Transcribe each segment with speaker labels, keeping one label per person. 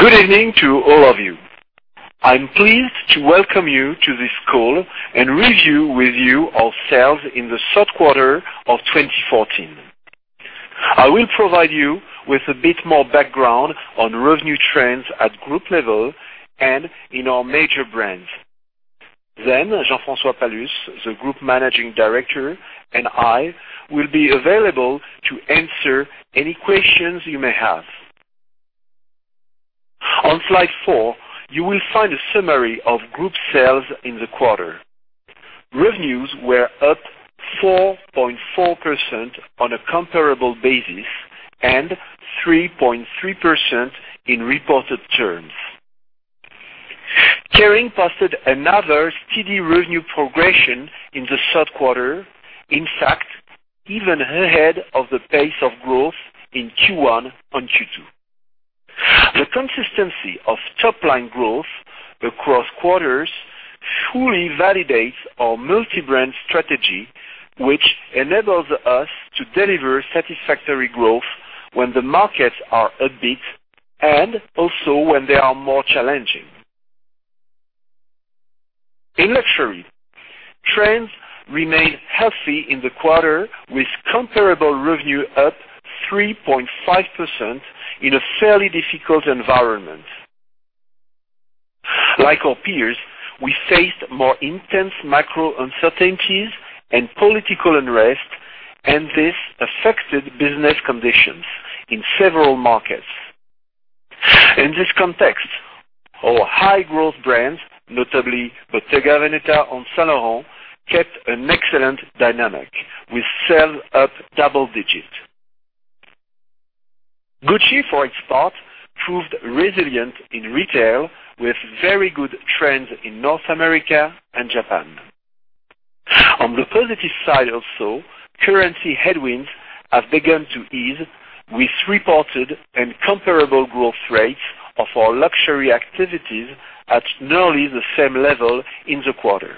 Speaker 1: Good evening to all of you. I'm pleased to welcome you to this call and review with you our sales in the third quarter of 2014. I will provide you with a bit more background on revenue trends at group level and in our major brands. Jean-François Palus, the Group Managing Director, and I will be available to answer any questions you may have. On slide four, you will find a summary of group sales in the quarter. Revenues were up 4.4% on a comparable basis and 3.3% in reported terms. Kering posted another steady revenue progression in the third quarter. In fact, even ahead of the pace of growth in Q1 and Q2. The consistency of top-line growth across quarters fully validates our multi-brand strategy, which enables us to deliver satisfactory growth when the markets are upbeat and also when they are more challenging. In luxury, trends remained healthy in the quarter, with comparable revenue up 3.5% in a fairly difficult environment. Like our peers, we faced more intense macro uncertainties and political unrest. This affected business conditions in several markets. In this context, our high-growth brands, notably Bottega Veneta and Saint Laurent, kept an excellent dynamic, with sales up double digits. Gucci, for its part, proved resilient in retail, with very good trends in North America and Japan. On the positive side also, currency headwinds have begun to ease, with reported and comparable growth rates of our luxury activities at nearly the same level in the quarter.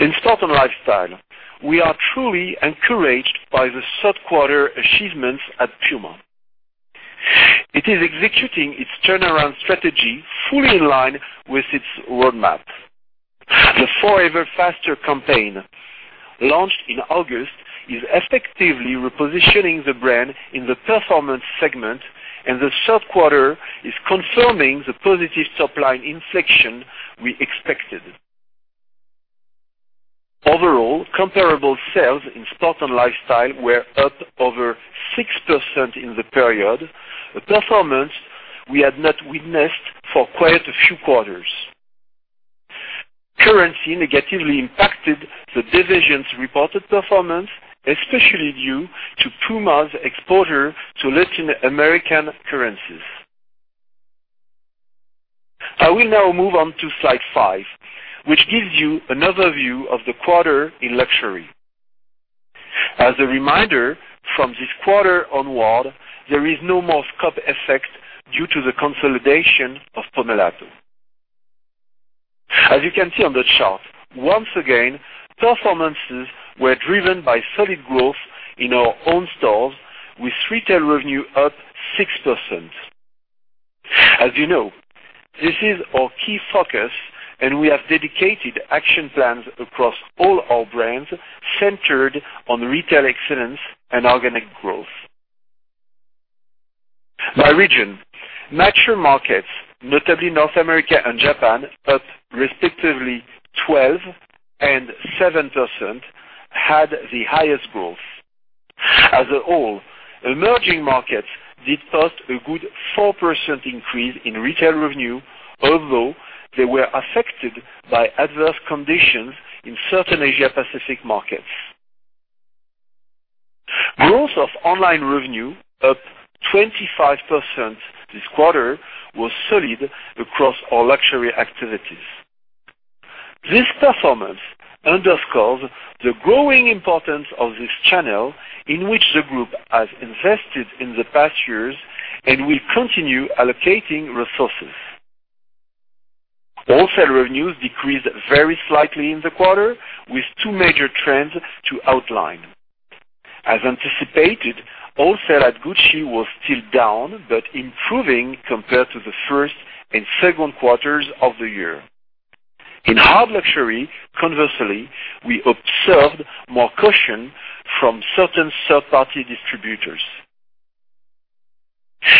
Speaker 1: In Sport & Lifestyle, we are truly encouraged by the third-quarter achievements at Puma. It is executing its turnaround strategy fully in line with its roadmap. The Forever Faster campaign, launched in August, is effectively repositioning the brand in the performance segment. The third quarter is confirming the positive top-line inflection we expected. Overall, comparable sales in Sport & Lifestyle were up over 6% in the period, a performance we had not witnessed for quite a few quarters. Currency negatively impacted the division's reported performance, especially due to Puma's exposure to Latin American currencies. I will now move on to slide five, which gives you another view of the quarter in luxury. As a reminder, from this quarter onward, there is no more scope effect due to the consolidation of Pomellato. As you can see on the chart, once again, performances were driven by solid growth in our own stores, with retail revenue up 6%. As you know, this is our key focus. We have dedicated action plans across all our brands centered on retail excellence and organic growth. By region, mature markets, notably North America and Japan, up respectively 12% and 7%, had the highest growth. As a whole, emerging markets did post a good 4% increase in retail revenue, although they were affected by adverse conditions in certain Asia Pacific markets. Growth of online revenue, up 25% this quarter, was solid across all luxury activities. This performance underscores the growing importance of this channel, in which the group has invested in the past years and will continue allocating resources. Wholesale revenues decreased very slightly in the quarter, with two major trends to outline. As anticipated, wholesale at Gucci was still down but improving compared to the first and second quarters of the year. In hard luxury, conversely, we observed more caution from certain third-party distributors.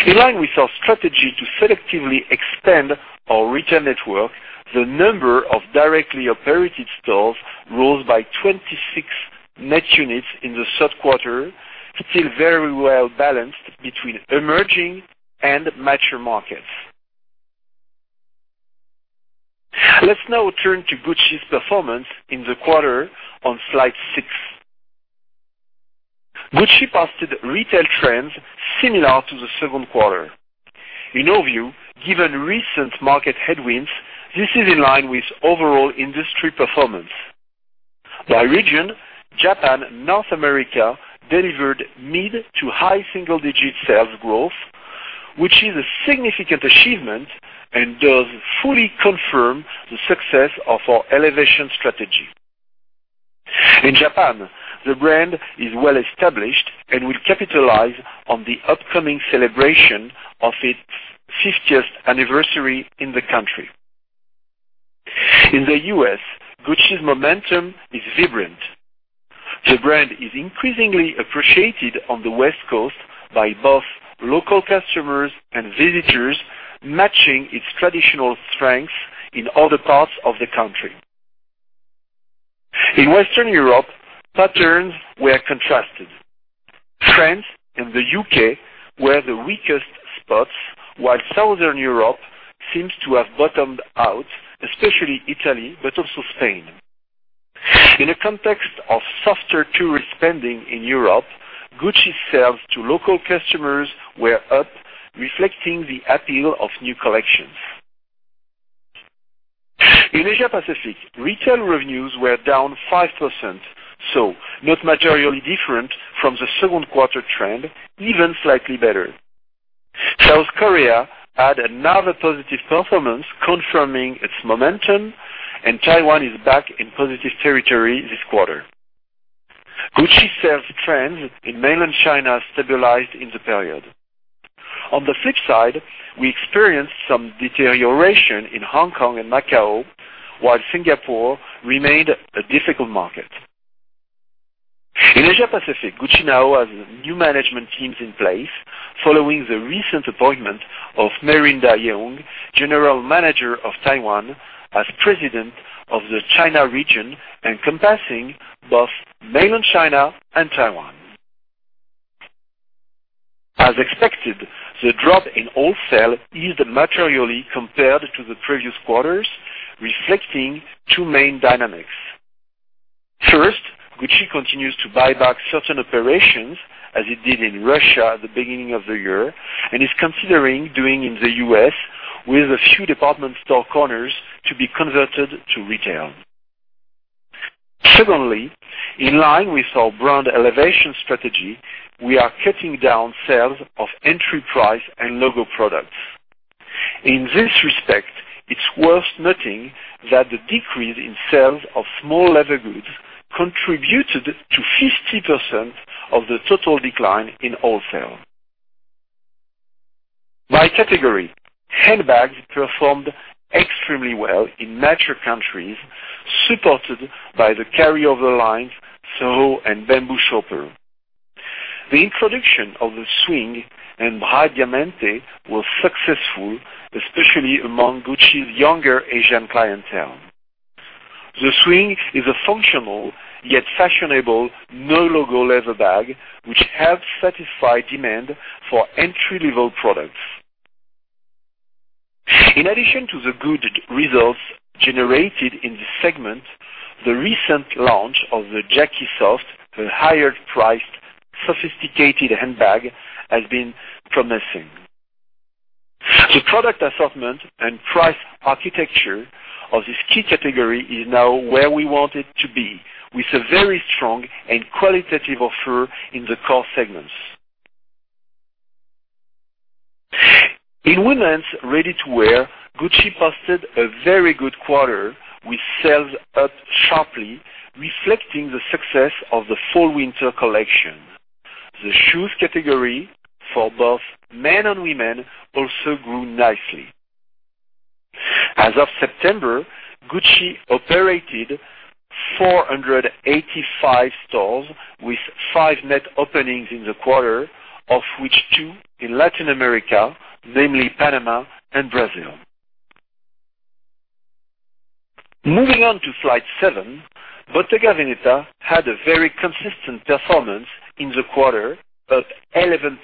Speaker 1: In line with our strategy to selectively expand our retail network, the number of directly operated stores rose by 26 net units in the third quarter, still very well-balanced between emerging and mature markets. Let's now turn to Gucci's performance in the quarter on slide six. Gucci posted retail trends similar to the second quarter. In our view, given recent market headwinds, this is in line with overall industry performance. By region, Japan, North America delivered mid-to-high single-digit sales growth, which is a significant achievement and does fully confirm the success of our elevation strategy. In Japan, the brand is well-established and will capitalize on the upcoming celebration of its 50th anniversary in the country. In the U.S., Gucci's momentum is vibrant. The brand is increasingly appreciated on the West Coast by both local customers and visitors, matching its traditional strengths in other parts of the country. In Western Europe, patterns were contrasted. France and the U.K. were the weakest spots, while Southern Europe seems to have bottomed out, especially Italy, but also Spain. In a context of softer tourist spending in Europe, Gucci sales to local customers were up, reflecting the appeal of new collections. In Asia Pacific, retail revenues were down 5%, not materially different from the second quarter trend, even slightly better. South Korea had another positive performance confirming its momentum, and Taiwan is back in positive territory this quarter. Gucci sales trends in mainland China stabilized in the period. On the flip side, we experienced some deterioration in Hong Kong and Macau, while Singapore remained a difficult market. In Asia Pacific, Gucci now has new management teams in place following the recent appointment of Merinda Yeung, general manager of Taiwan, as president of the China region, encompassing both mainland China and Taiwan. As expected, the drop in wholesale is materially compared to the previous quarters, reflecting two main dynamics. First, Gucci continues to buy back certain operations as it did in Russia at the beginning of the year, and is considering doing in the U.S., with a few department store corners to be converted to retail. Secondly, in line with our brand elevation strategy, we are cutting down sales of entry price and logo products. In this respect, it's worth noting that the decrease in sales of small leather goods contributed to 50% of the total decline in wholesale. By category, handbags performed extremely well in mature countries, supported by the carryover lines, Soho and Bamboo Shopper. The introduction of the Swing and Bright Diamante was successful, especially among Gucci's younger Asian clientele. The Swing is a functional, yet fashionable, no-logo leather bag, which helps satisfy demand for entry-level products. In addition to the good results generated in this segment, the recent launch of the Jackie Soft, a higher-priced, sophisticated handbag, has been promising. The product assortment and price architecture of this key category is now where we want it to be, with a very strong and qualitative offer in the core segments. In women's ready-to-wear, Gucci posted a very good quarter with sales up sharply, reflecting the success of the fall/winter collection. The shoes category for both men and women also grew nicely. As of September, Gucci operated 485 stores, with five net openings in the quarter, of which two in Latin America, namely Panama and Brazil. Moving on to slide seven, Bottega Veneta had a very consistent performance in the quarter, up 11%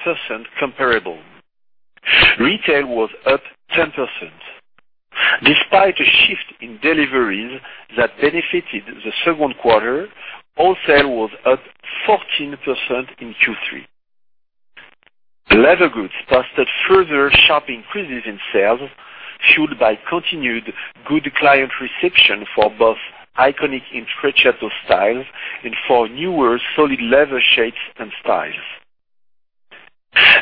Speaker 1: comparable. Retail was up 10%. Despite a shift in deliveries that benefited the second quarter, wholesale was up 14% in Q3. Leather goods posted further sharp increases in sales, fueled by continued good client reception for both iconic Intrecciato styles and for newer solid leather shapes and styles.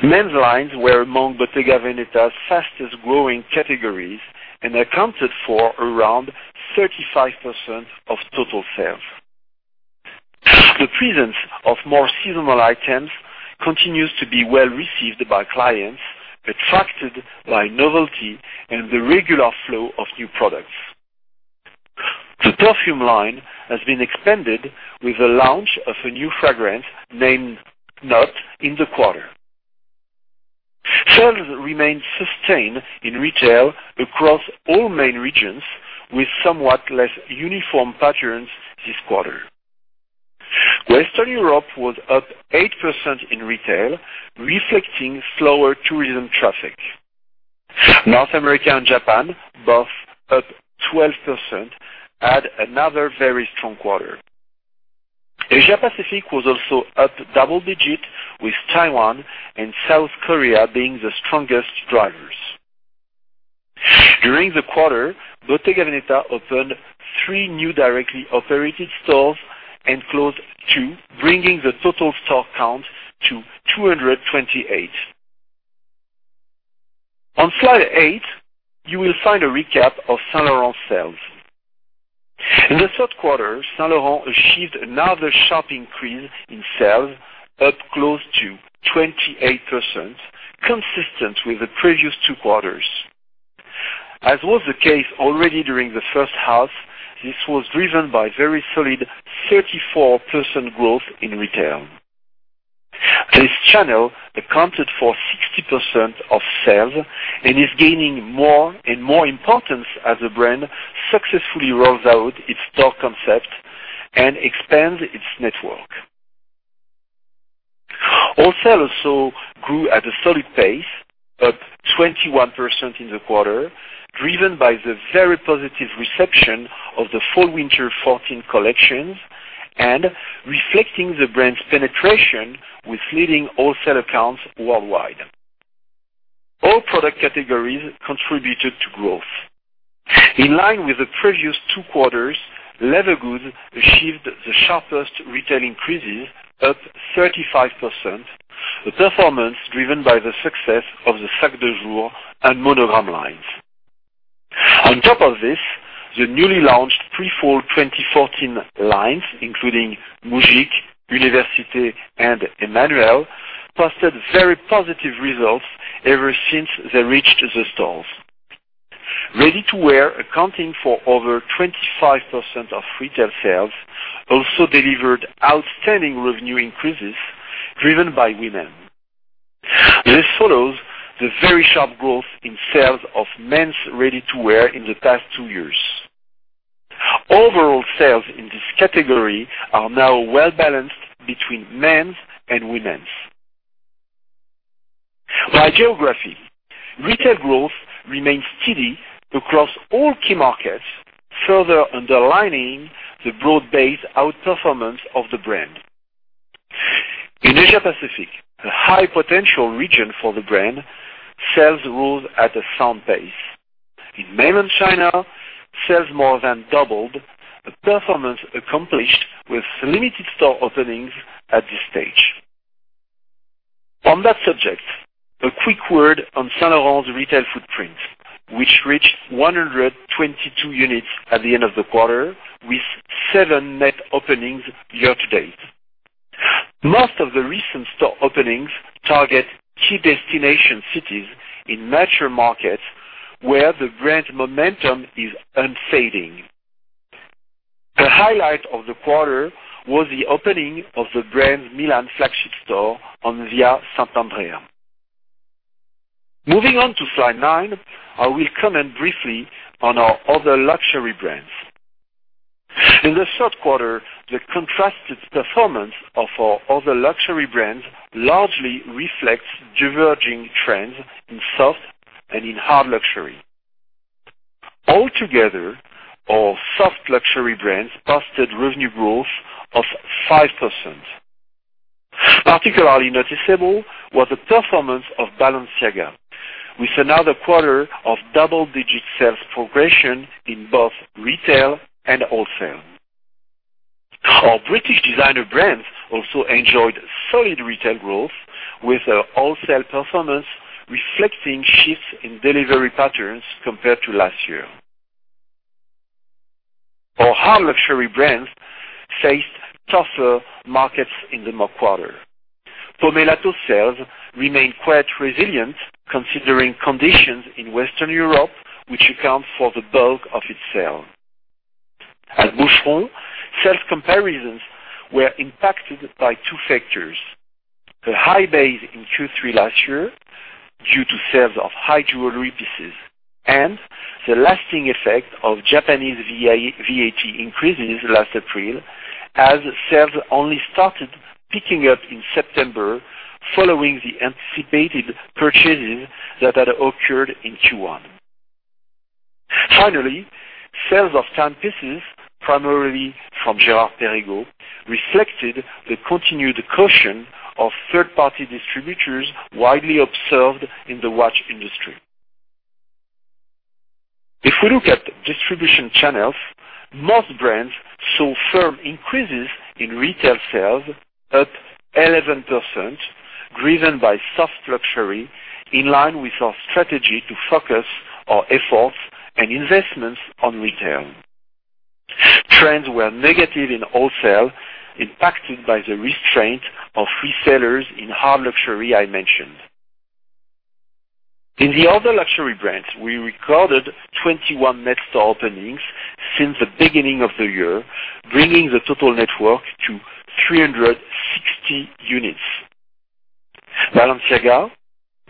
Speaker 1: Men's lines were among Bottega Veneta's fastest-growing categories and accounted for around 35% of total sales. The presence of more seasonal items continues to be well-received by clients, attracted by novelty and the regular flow of new products. The perfume line has been expanded with the launch of a new fragrance named Knot in the quarter. Sales remained sustained in retail across all main regions, with somewhat less uniform patterns this quarter. Western Europe was up 8% in retail, reflecting slower tourism traffic. North America and Japan, both up 12%, had another very strong quarter. Asia Pacific was also up double digit, with Taiwan and South Korea being the strongest drivers. During the quarter, Bottega Veneta opened three new directly operated stores and closed two, bringing the total store count to 228. On slide eight, you will find a recap of Saint Laurent sales. In the third quarter, Saint Laurent achieved another sharp increase in sales, up close to 28%, consistent with the previous two quarters. As was the case already during the first half, this was driven by very solid 34% growth in retail. This channel accounted for 60% of sales and is gaining more and more importance as the brand successfully rolls out its store concept and expands its network. Wholesale also grew at a solid pace, up 21% in the quarter, driven by the very positive reception of the fall/winter 2014 collections and reflecting the brand's penetration with leading wholesale accounts worldwide. All product categories contributed to growth. In line with the previous two quarters, leather goods achieved the sharpest retail increases, up 35%, a performance driven by the success of the Sac de Jour and Monogram lines. On top of this, the newly launched pre-fall 2014 lines, including Moujik, Université, and Emmanuelle, posted very positive results ever since they reached the stores. Ready-to-wear, accounting for over 25% of retail sales, also delivered outstanding revenue increases driven by women. This follows the very sharp growth in sales of men's ready-to-wear in the past two years. Overall sales in this category are now well-balanced between men's and women's. By geography, retail growth remains steady across all key markets, further underlining the broad-based outperformance of the brand. In Asia Pacific, a high potential region for the brand, sales rose at a sound pace. In Mainland China, sales more than doubled, a performance accomplished with limited store openings at this stage. On that subject, a quick word on Saint Laurent's retail footprint, which reached 122 units at the end of the quarter, with seven net openings year to date. Most of the recent store openings target key destination cities in mature markets where the brand momentum is unfading. The highlight of the quarter was the opening of the brand's Milan flagship store on Via Sant'Andrea. Moving on to slide nine, I will comment briefly on our other luxury brands. In the third quarter, the contrasted performance of our other luxury brands largely reflects diverging trends in soft and in hard luxury. Altogether, our soft luxury brands posted revenue growth of 5%. Particularly noticeable was the performance of Balenciaga, with another quarter of double-digit sales progression in both retail and wholesale. Our British designer brands also enjoyed solid retail growth, with our wholesale performance reflecting shifts in delivery patterns compared to last year. Our hard luxury brands faced tougher markets in the quarter. Pomellato sales remained quite resilient considering conditions in Western Europe, which accounts for the bulk of its sales. At Boucheron, sales comparisons were impacted by two factors, the high base in Q3 last year due to sales of high jewelry pieces and the lasting effect of Japanese VAT increases last April, as sales only started picking up in September following the anticipated purchases that had occurred in Q1. Finally, sales of timepieces, primarily from Girard-Perregaux, reflected the continued caution of third-party distributors widely observed in the watch industry. If we look at distribution channels, most brands saw firm increases in retail sales, up 11%, driven by soft luxury, in line with our strategy to focus our efforts and investments on retail. Trends were negative in wholesale, impacted by the restraint of resellers in hard luxury I mentioned. In the other luxury brands, we recorded 21 net store openings since the beginning of the year, bringing the total network to 360 units. Balenciaga,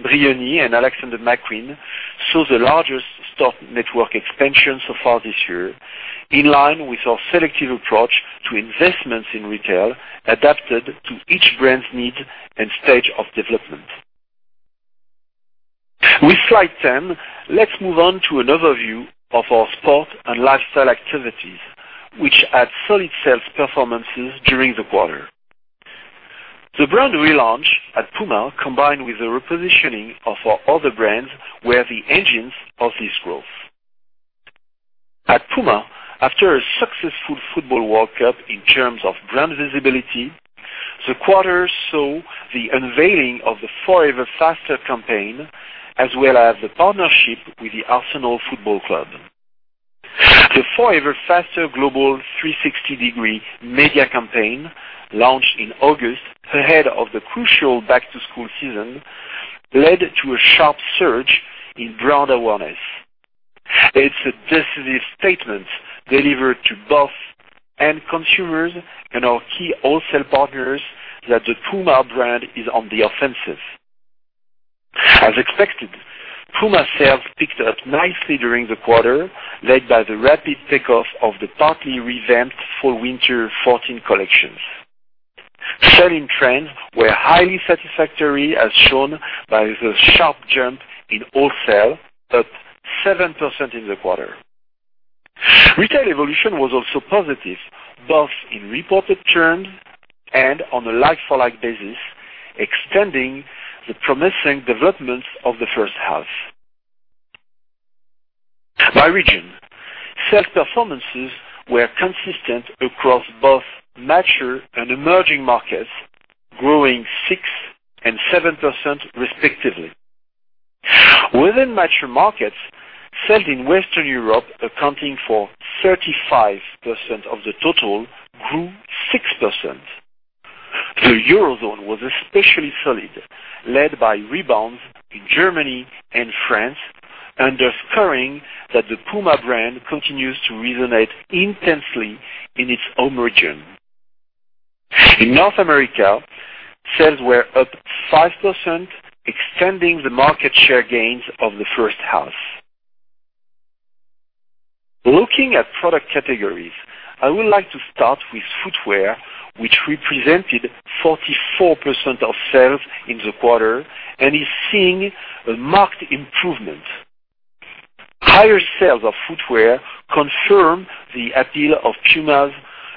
Speaker 1: Brioni, and Alexander McQueen saw the largest store network expansion so far this year, in line with our selective approach to investments in retail adapted to each brand's need and stage of development. With slide 10, let's move on to an overview of our Sport & Lifestyle activities, which had solid sales performances during the quarter. The brand relaunch at Puma, combined with the repositioning of our other brands, were the engines of this growth. Puma, after a successful football World Cup in terms of brand visibility, the quarter saw the unveiling of the Forever Faster campaign, as well as the partnership with the Arsenal Football Club. The Forever Faster global 360-degree media campaign launched in August ahead of the crucial back-to-school season, led to a sharp surge in brand awareness. It's a decisive statement delivered to both end consumers and our key wholesale partners that the Puma brand is on the offensive. As expected, Puma sales picked up nicely during the quarter, led by the rapid take-off of the partly revamped fall/winter 2014 collections. Selling trends were highly satisfactory, as shown by the sharp jump in wholesale, up 7% in the quarter. Retail evolution was also positive, both in reported terms and on a like-for-like basis, extending the promising developments of the first half. By region, sales performances were consistent across both mature and emerging markets, growing 6% and 7% respectively. Within mature markets, sales in Western Europe, accounting for 35% of the total, grew 6%. The Eurozone was especially solid, led by rebounds in Germany and France, underscoring that the Puma brand continues to resonate intensely in its home region. In North America, sales were up 5%, extending the market share gains of the first half. Looking at product categories, I would like to start with footwear, which represented 44% of sales in the quarter and is seeing a marked improvement. Higher sales of footwear confirm the appeal of Puma's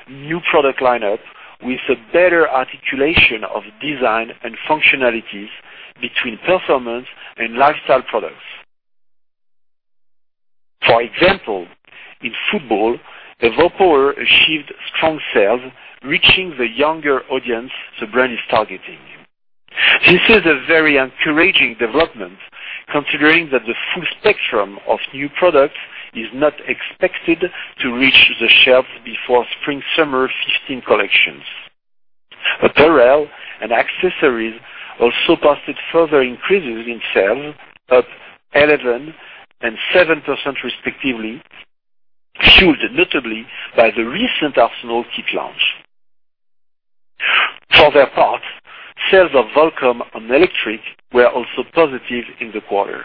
Speaker 1: new product lineup, with a better articulation of design and functionalities between performance and lifestyle products. For example, in football, evoPOWER achieved strong sales, reaching the younger audience the brand is targeting. This is a very encouraging development, considering that the full spectrum of new products is not expected to reach the shelves before spring/summer 2015 collections. Apparel and accessories also posted further increases in sales, up 11% and 7% respectively, fueled notably by the recent Arsenal kit launch. For their part, sales of Volcom and Electric were also positive in the quarter.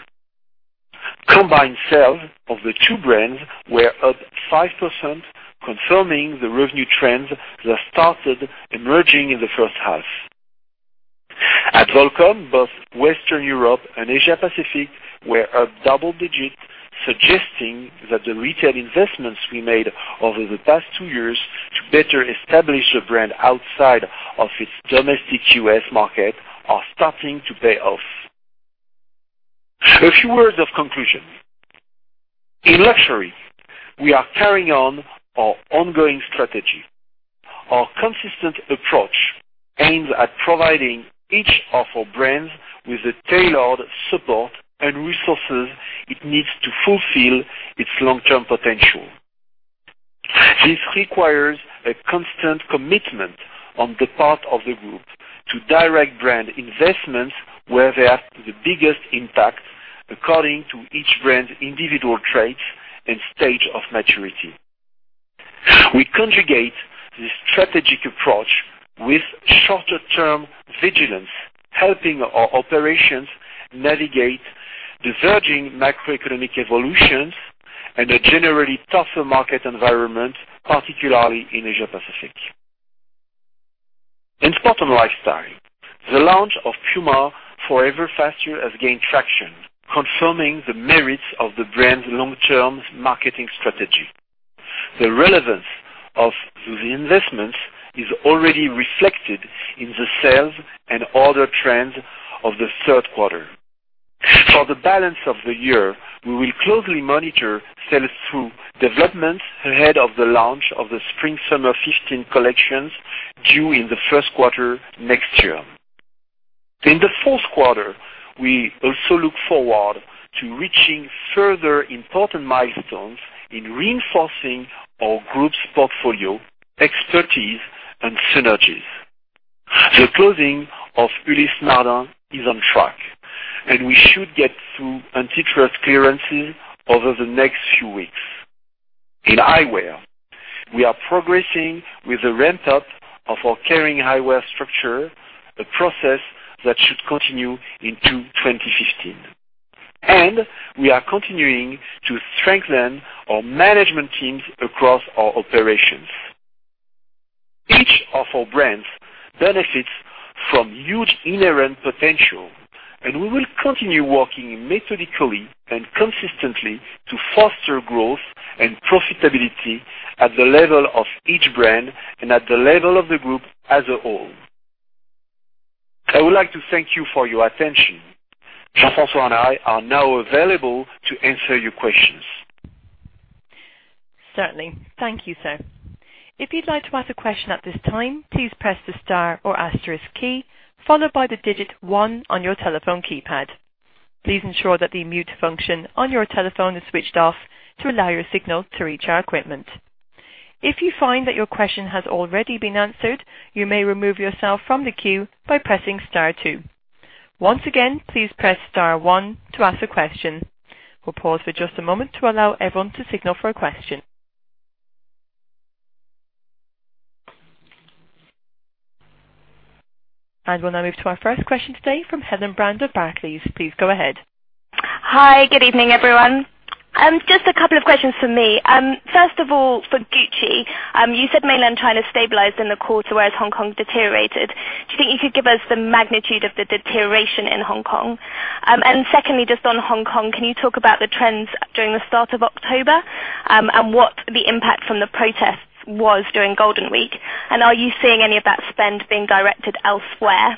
Speaker 1: Combined sales of the two brands were up 5%, confirming the revenue trends that started emerging in the first half. At Volcom, both Western Europe and Asia-Pacific were up double digits, suggesting that the retail investments we made over the past two years to better establish the brand outside of its domestic U.S. market are starting to pay off. A few words of conclusion. In luxury, we are carrying on our ongoing strategy. Our consistent approach aims at providing each of our brands with the tailored support and resources it needs to fulfill its long-term potential. This requires a constant commitment on the part of the group to direct brand investments where they have the biggest impact according to each brand's individual traits and stage of maturity. We conjugate this strategic approach with shorter-term vigilance, helping our operations navigate the surging macroeconomic evolutions and a generally tougher market environment, particularly in Asia-Pacific. In Sport & Lifestyle, the launch of Puma Forever Faster has gained traction, confirming the merits of the brand's long-term marketing strategy. The relevance of the investments is already reflected in the sales and order trends of the third quarter. For the balance of the year, we will closely monitor sales through developments ahead of the launch of the spring/summer 2015 collections due in the first quarter next year. In the fourth quarter, we also look forward to reaching further important milestones in reinforcing our group's portfolio, expertise, and synergies. The closing of Ulysse Nardin is on track, and we should get through antitrust clearances over the next few weeks. In eyewear, we are progressing with the ramp-up of our Kering Eyewear structure, a process that should continue into 2015, and we are continuing to strengthen our management teams across our operations. Each of our brands benefits from huge inherent potential, and we will continue working methodically and consistently to foster growth and profitability at the level of each brand and at the level of the group as a whole. I would like to thank you for your attention. Jean-François and I are now available to answer your questions.
Speaker 2: Certainly. Thank you, sir. If you'd like to ask a question at this time, please press the star or asterisk key, followed by the digit 1 on your telephone keypad. Please ensure that the mute function on your telephone is switched off to allow your signal to reach our equipment. If you find that your question has already been answered, you may remove yourself from the queue by pressing star 2. Once again, please press star 1 to ask a question. We'll pause for just a moment to allow everyone to signal for a question. We'll now move to our first question today from Helen Brand of Barclays. Please go ahead.
Speaker 3: Hi, good evening, everyone. Just a couple of questions from me. First of all, for Gucci, you said mainland China stabilized in the quarter, whereas Hong Kong deteriorated. Do you think you could give us the magnitude of the deterioration in Hong Kong? Secondly, just on Hong Kong, can you talk about the trends during the start of October, and what the impact from the protests was during Golden Week? Are you seeing any of that spend being directed elsewhere?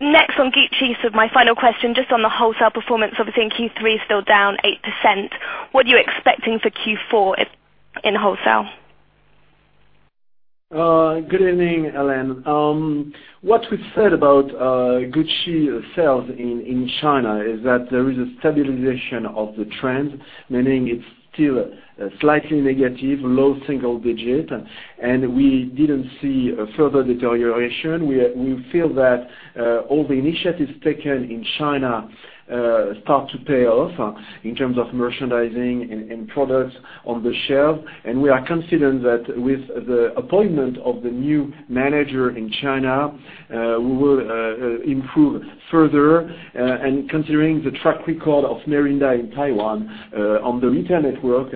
Speaker 3: Next on Gucci, my final question, just on the wholesale performance, obviously in Q3 still down 8%. What are you expecting for Q4 in wholesale?
Speaker 1: Good evening, Helen. What we've said about Gucci sales in China is that there is a stabilization of the trend, meaning it's still slightly negative, low single digit, we didn't see a further deterioration. We feel that all the initiatives taken in China start to pay off in terms of merchandising and products on the shelf. We are confident that with the appointment of the new manager in China, we will improve further. Considering the track record of Merinda in Taiwan, on the retail network,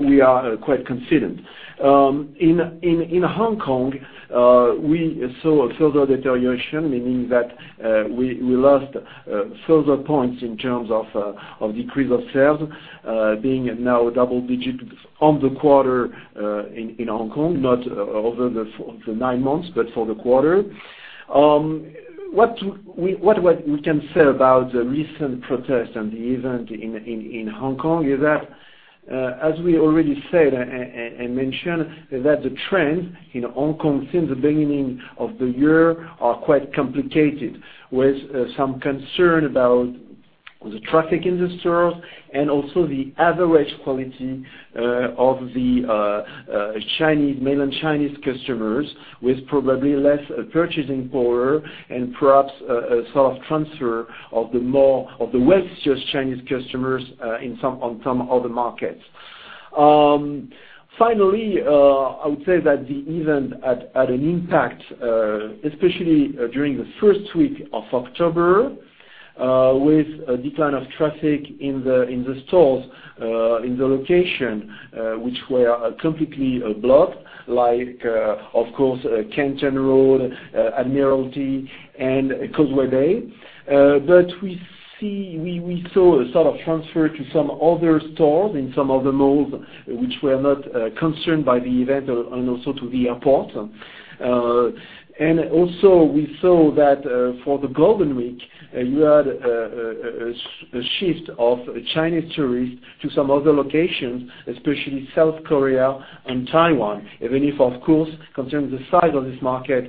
Speaker 1: we are quite confident. In Hong Kong, we saw a further deterioration, meaning that we lost further points in terms of decrease of sales, being now double digit on the quarter in Hong Kong. Not over the nine months, but for the quarter. What we can say about the recent protest and the event in Hong Kong is that, as we already said, mentioned that the trends in Hong Kong since the beginning of the year are quite complicated. With some concern about the traffic in the stores and also the average quality of the mainland Chinese customers, with probably less purchasing power and perhaps a soft transfer of the wealthier Chinese customers on some other markets. Finally, I would say that the event had an impact, especially during the first week of October, with a decline of traffic in the stores in the location, which were completely blocked, like, of course, Canton Road, Admiralty, and Causeway Bay. We saw a sort of transfer to some other stores in some other malls which were not concerned by the event, and also to the airport. Also we saw that for the Golden Week, you had a shift of Chinese tourists to some other locations, especially South Korea and Taiwan. Even if, of course, considering the size of this market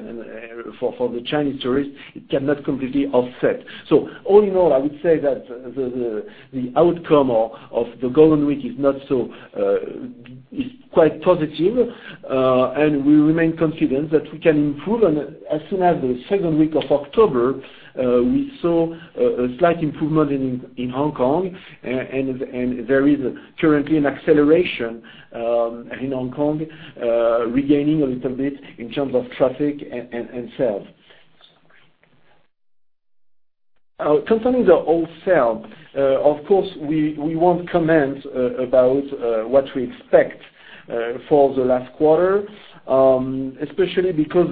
Speaker 1: for the Chinese tourists, it cannot completely offset. All in all, I would say that the outcome of the Golden Week is quite positive. We remain confident that we can improve. As soon as the second week of October, we saw a slight improvement in Hong Kong. There is currently an acceleration in Hong Kong, regaining a little bit in terms of traffic and sales. Concerning the wholesale, of course, we won't comment about what we expect for the last quarter. Especially because,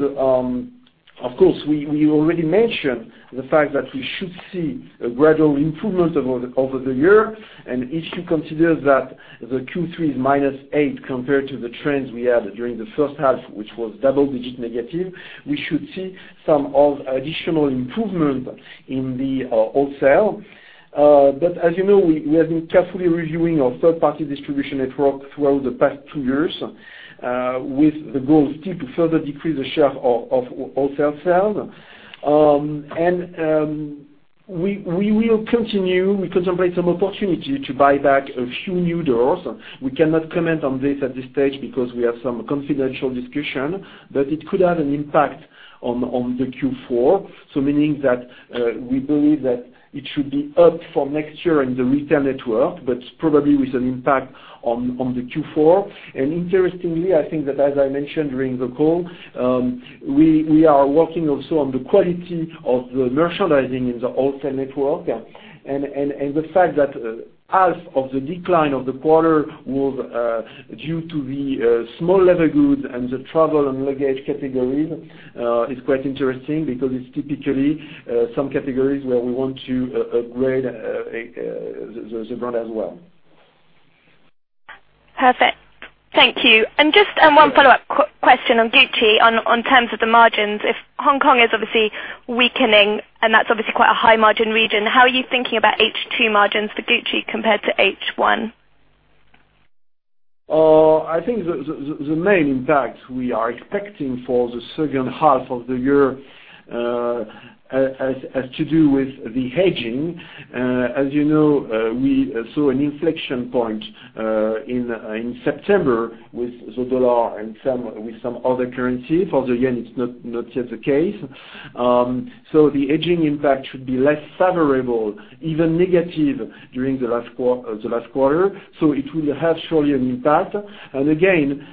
Speaker 1: of course, we already mentioned the fact that we should see a gradual improvement over the year. If you consider that the Q3 is minus eight compared to the trends we had during the first half, which was double-digit negative, we should see some additional improvement in the wholesale. As you know, we have been carefully reviewing our third-party distribution network throughout the past two years, with the goal still to further decrease the share of wholesale sales. We will continue. We contemplate some opportunity to buy back a few new doors. We cannot comment on this at this stage because we have some confidential discussion, but it could have an impact on the Q4. Meaning that we believe that it should be up for next year in the retail network, but probably with an impact on the Q4. Interestingly, I think that as I mentioned during the call, we are working also on the quality of the merchandising in the wholesale network. The fact that half of the decline of the quarter was due to the small leather goods and the travel and luggage categories is quite interesting because it's typically some categories where we want to upgrade the brand as well.
Speaker 3: Perfect. Thank you. Just one follow-up question on Gucci, on terms of the margins. If Hong Kong is obviously weakening, and that's obviously quite a high margin region, how are you thinking about H2 margins for Gucci compared to H1?
Speaker 1: I think the main impact we are expecting for the second half of the year has to do with the hedging. As you know, we saw an inflection point in September with the dollar and with some other currency. For the yen, it's not just the case. The hedging impact should be less favorable, even negative, during the last quarter. It will have, surely, an impact. Again,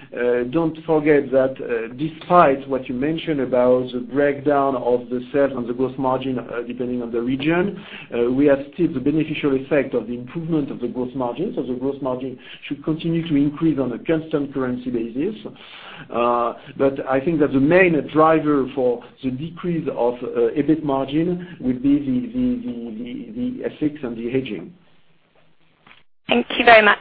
Speaker 1: don't forget that despite what you mentioned about the breakdown of the sales and the gross margin depending on the region, we have still the beneficial effect of the improvement of the gross margin. The gross margin should continue to increase on a constant currency basis. I think that the main driver for the decrease of EBIT margin would be the FX and the hedging.
Speaker 3: Thank you very much.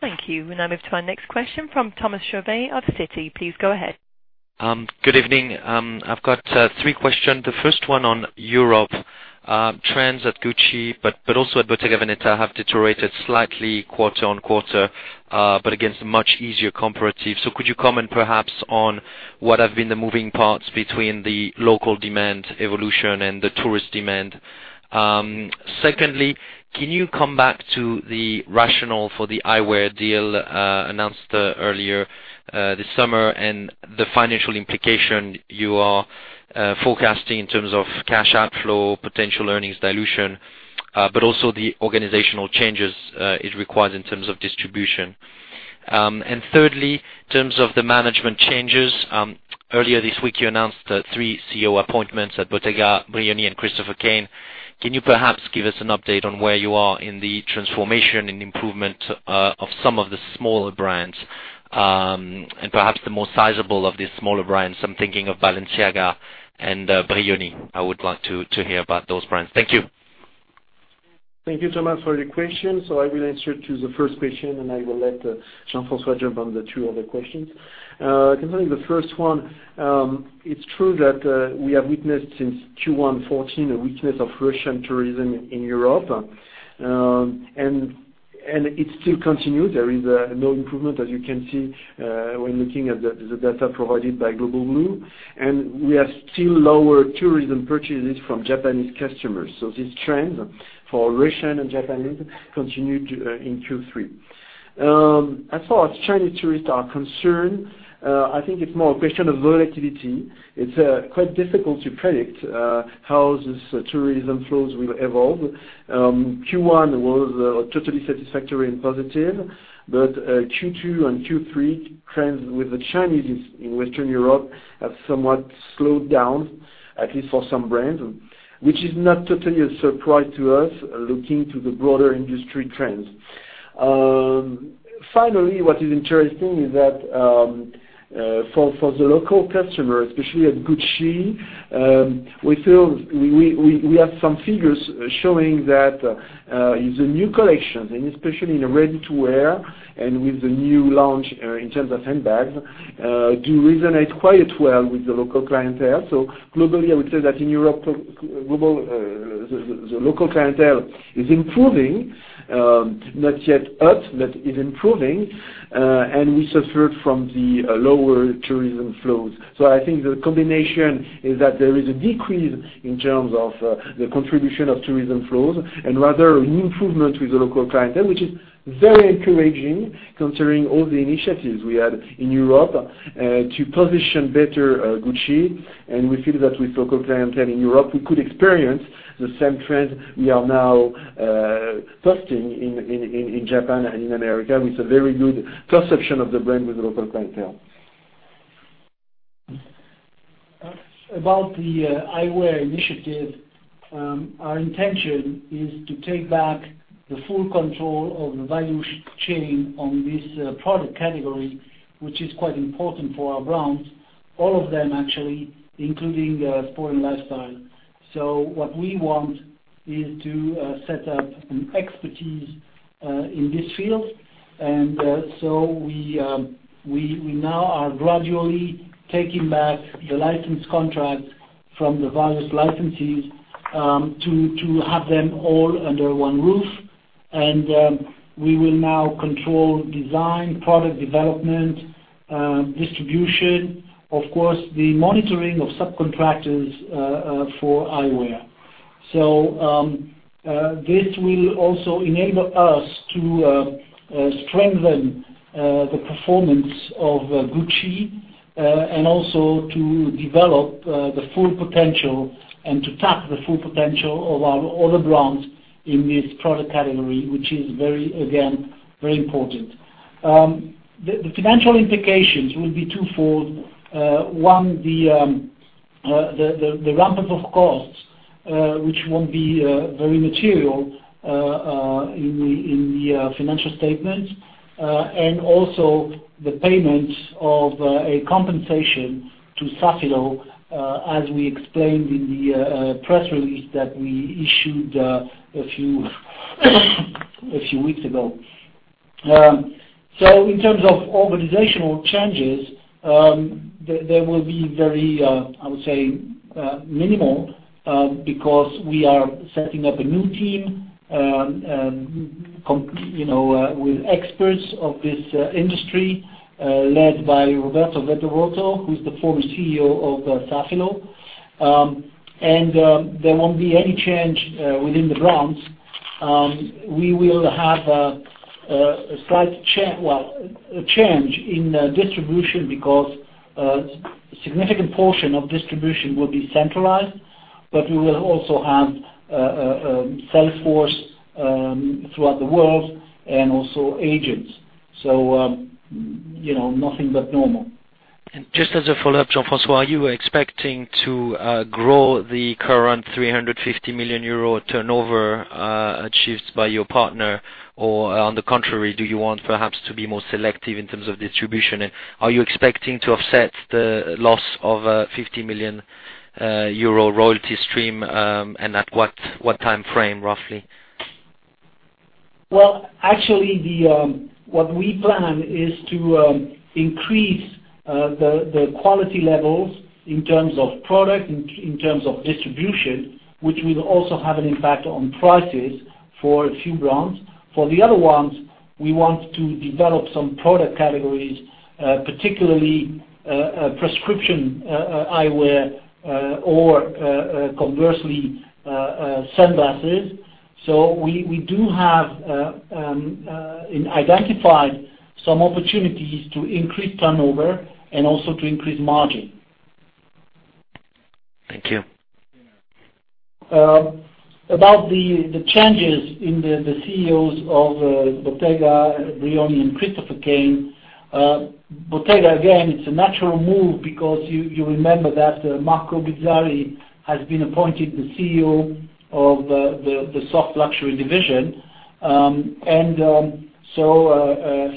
Speaker 2: Thank you. We now move to our next question from Thomas Chauvet of Citi. Please go ahead.
Speaker 4: Good evening. I've got three questions. The first one on Europe. Trends at Gucci, but also at Bottega Veneta, have deteriorated slightly quarter on quarter, but against a much easier comparative. Could you comment perhaps on what have been the moving parts between the local demand evolution and the tourist demand? Secondly, can you come back to the rationale for the eyewear deal announced earlier this summer and the financial implication you are forecasting in terms of cash outflow, potential earnings dilution, but also the organizational changes it requires in terms of distribution? Thirdly, in terms of the management changes, earlier this week you announced three CEO appointments at Bottega, Brioni, and Christopher Kane. Can you perhaps give us an update on where you are in the transformation and improvement of some of the smaller brands, and perhaps the more sizable of these smaller brands? I'm thinking of Balenciaga and Brioni. I would like to hear about those brands. Thank you.
Speaker 1: Thank you, Thomas, for the question. I will answer to the first question, and I will let Jean-François jump on the two other questions. Concerning the first one, it's true that we have witnessed since Q1 2014 a weakness of Russian tourism in Europe. It still continues. There is no improvement, as you can see when looking at the data provided by Global Blue, and we have still lower tourism purchases from Japanese customers. This trend for Russian and Japanese continued in Q3. As far as Chinese tourists are concerned, I think it's more a question of volatility. It's quite difficult to predict how these tourism flows will evolve. Q1 was totally satisfactory and positive, Q2 and Q3 trends with the Chinese in Western Europe have somewhat slowed down, at least for some brands, which is not totally a surprise to us, looking to the broader industry trends. Finally, what is interesting is that for the local customer, especially at Gucci, we have some figures showing that the new collections, and especially in ready-to-wear and with the new launch in terms of handbags, do resonate quite well with the local clientele. Globally, I would say that in Europe, the local clientele is improving. Not yet us, but is improving. We suffered from the lower tourism flows. I think the combination is that there is a decrease in terms of the contribution of tourism flows and rather an improvement with the local clientele, which is very encouraging considering all the initiatives we had in Europe to position better Gucci. We feel that with local clientele in Europe, we could experience the same trend we are now testing in Japan and in America, with a very good perception of the brand with the local clientele.
Speaker 5: About the eyewear initiative, our intention is to take back the full control of the value chain on this product category, which is quite important for our brands, all of them actually, including Sport & Lifestyle. What we want is to set up an expertise in this field. We now are gradually taking back the license contracts from the various licensees to have them all under one roof. We will now control design, product development, distribution, of course, the monitoring of subcontractors for eyewear. This will also enable us to strengthen the performance of Gucci and also to develop the full potential and to tap the full potential of our other brands in this product category, which is, again, very important. The financial implications will be twofold. One, the ramp-up of costs, which won't be very material in the financial statements. Also the payments of a compensation to Safilo, as we explained in the press release that we issued a few weeks ago. In terms of organizational changes, there will be very, I would say, minimal, because we are setting up a new team with experts of this industry, led by Roberto Vedovotto, who's the former CEO of Safilo. There won't be any change within the brands. We will have a slight change in distribution because a significant portion of distribution will be centralized, but we will also have a sales force throughout the world and also agents. Nothing but normal.
Speaker 4: Just as a follow-up, Jean-François, are you expecting to grow the current 350 million euro turnover achieved by your partner? On the contrary, do you want perhaps to be more selective in terms of distribution? Are you expecting to offset the loss of a 50 million euro royalty stream, and at what timeframe, roughly?
Speaker 5: Well, actually, what we plan is to increase the quality levels in terms of product, in terms of distribution, which will also have an impact on prices for a few brands. For the other ones, we want to develop some product categories, particularly prescription eyewear or conversely sunglasses. We do have identified some opportunities to increase turnover and also to increase margin.
Speaker 4: Thank you.
Speaker 5: About the changes in the CEOs of Bottega, Brioni, and Christopher Kane. Bottega, again, it's a natural move because you remember that Marco Bizzarri has been appointed the CEO of the soft luxury division.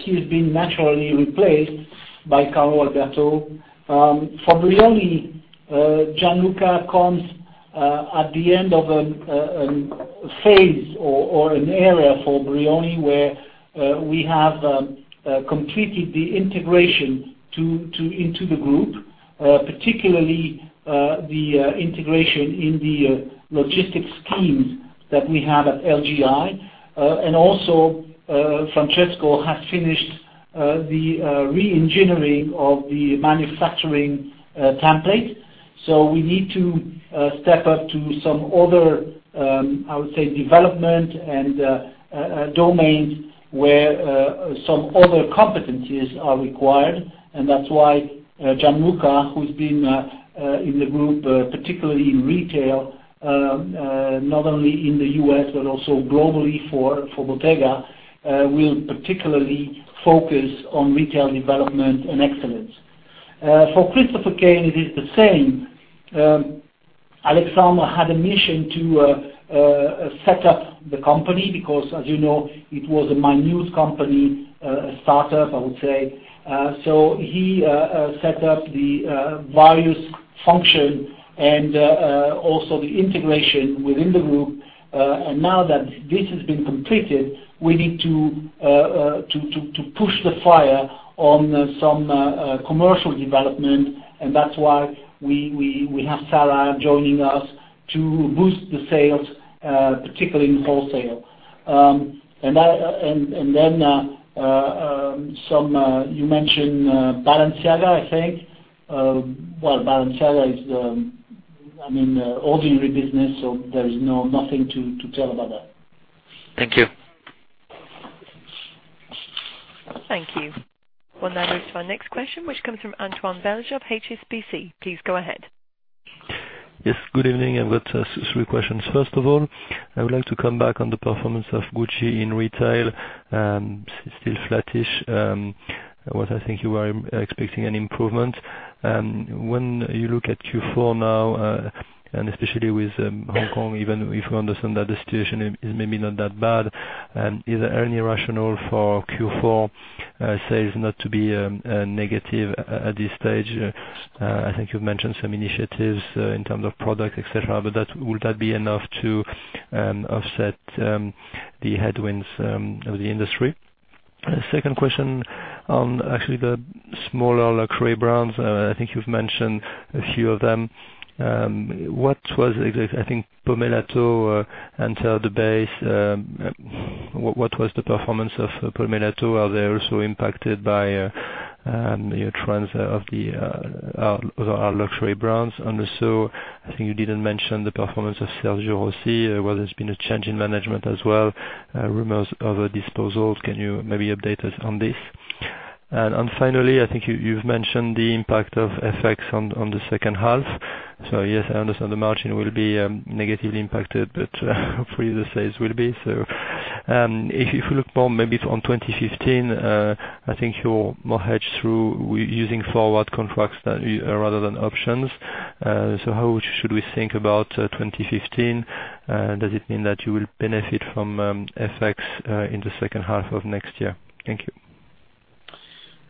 Speaker 5: He is being naturally replaced by Carlo Alberto. For Brioni, Gianluca comes at the end of a phase or an era for Brioni where we have completed the integration into the group, particularly the integration in the logistics schemes that we have at LGI. Francesco has finished the re-engineering of the manufacturing template. We need to step up to some other, I would say, development and domains where some other competencies are required. That's why Gianluca, who's been in the group, particularly in retail, not only in the U.S. but also globally for Bottega, will particularly focus on retail development and excellence. For Christopher Kane, it is the same. Alexander had a mission to set up the company because, as you know, it was a minute company, a startup, I would say. He set up the various functions and also the integration within the group. Now that this has been completed, we need to push the fire on some commercial development. That's why we have Sarah joining us to boost the sales, particularly in wholesale. You mentioned Balenciaga, I think. Balenciaga is an ordinary business, so there is nothing to tell about that.
Speaker 4: Thank you.
Speaker 2: Thank you. We'll now move to our next question, which comes from Antoine Belge, HSBC. Please go ahead.
Speaker 6: Yes, good evening. I've got three questions. First of all, I would like to come back on the performance of Gucci in retail. Still flattish. I would think you are expecting an improvement. When you look at Q4 now, and especially with Hong Kong, even if you understand that the situation is maybe not that bad, is there any rationale for Q4 sales not to be negative at this stage? I think you've mentioned some initiatives in terms of product, et cetera, but would that be enough to offset the headwinds of the industry? Second question on actually the smaller luxury brands. I think you've mentioned a few of them. I think Pomellato and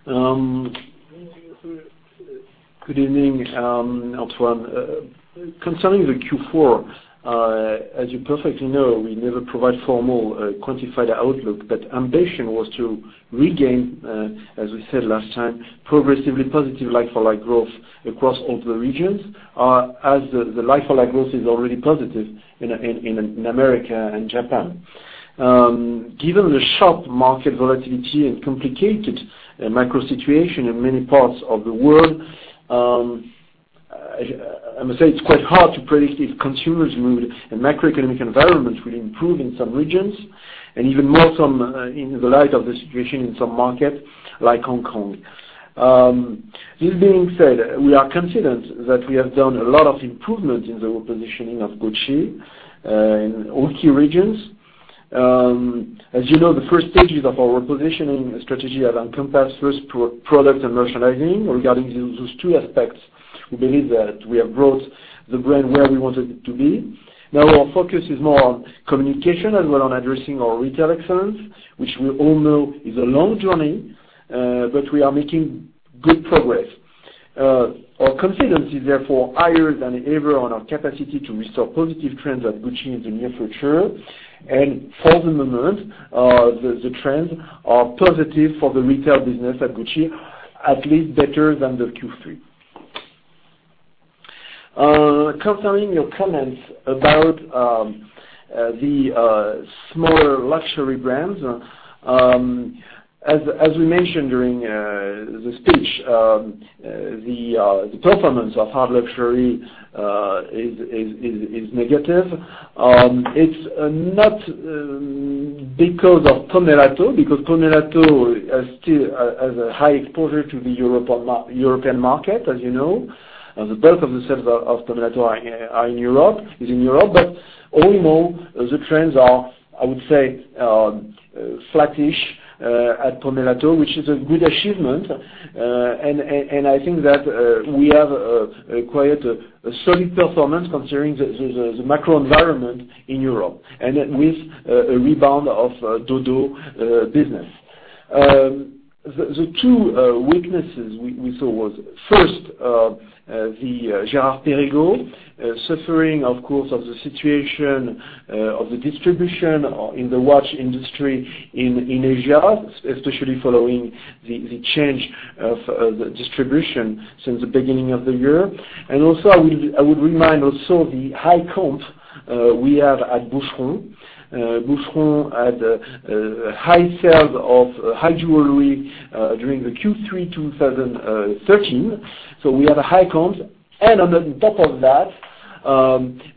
Speaker 1: Good evening, Antoine. Concerning the Q4, as you perfectly know, we never provide formal quantified outlook, but ambition was to regain, as we said last time, progressively positive like-for-like growth across all the regions, as the like-for-like growth is already positive in America and Japan. Given the sharp market volatility and complicated macro situation in many parts of the world, I must say it's quite hard to predict if consumers will, and macroeconomic environments will improve in some regions, and even more so in the light of the situation in some markets like Hong Kong. This being said, we are confident that we have done a lot of improvement in the repositioning of Gucci, in all key regions. As you know, the first stages of our repositioning strategy have encompassed first product and merchandising. Regarding those two aspects, we believe that we have brought the brand where we wanted it to be. Now our focus is more on communication as well on addressing our retail excellence, which we all know is a long journey, but we are making good progress. Our confidence is therefore higher than ever on our capacity to restore positive trends at Gucci in the near future. For the moment, the trends are positive for the retail business at Gucci, at least better than the Q3. Concerning your comments about the smaller luxury brands, as we mentioned during the speech, the performance of hard luxury is negative. It's not because of Pomellato, because Pomellato still has a high exposure to the European market, as you know. The bulk of the sales of Pomellato is in Europe. All in all, the trends are, I would say, flat-ish at Pomellato, which is a good achievement. I think that we have acquired a solid performance considering the macro environment in Europe, and with a rebound of DoDo business. The two weaknesses we saw was first, the Girard-Perregaux, suffering, of course, of the situation of the distribution in the watch industry in Asia, especially following the change of the distribution since the beginning of the year. Also, I would remind the high comp we have at Boucheron. Boucheron had high sales of high jewelry during the Q3 2013. We have a high comp. On top of that,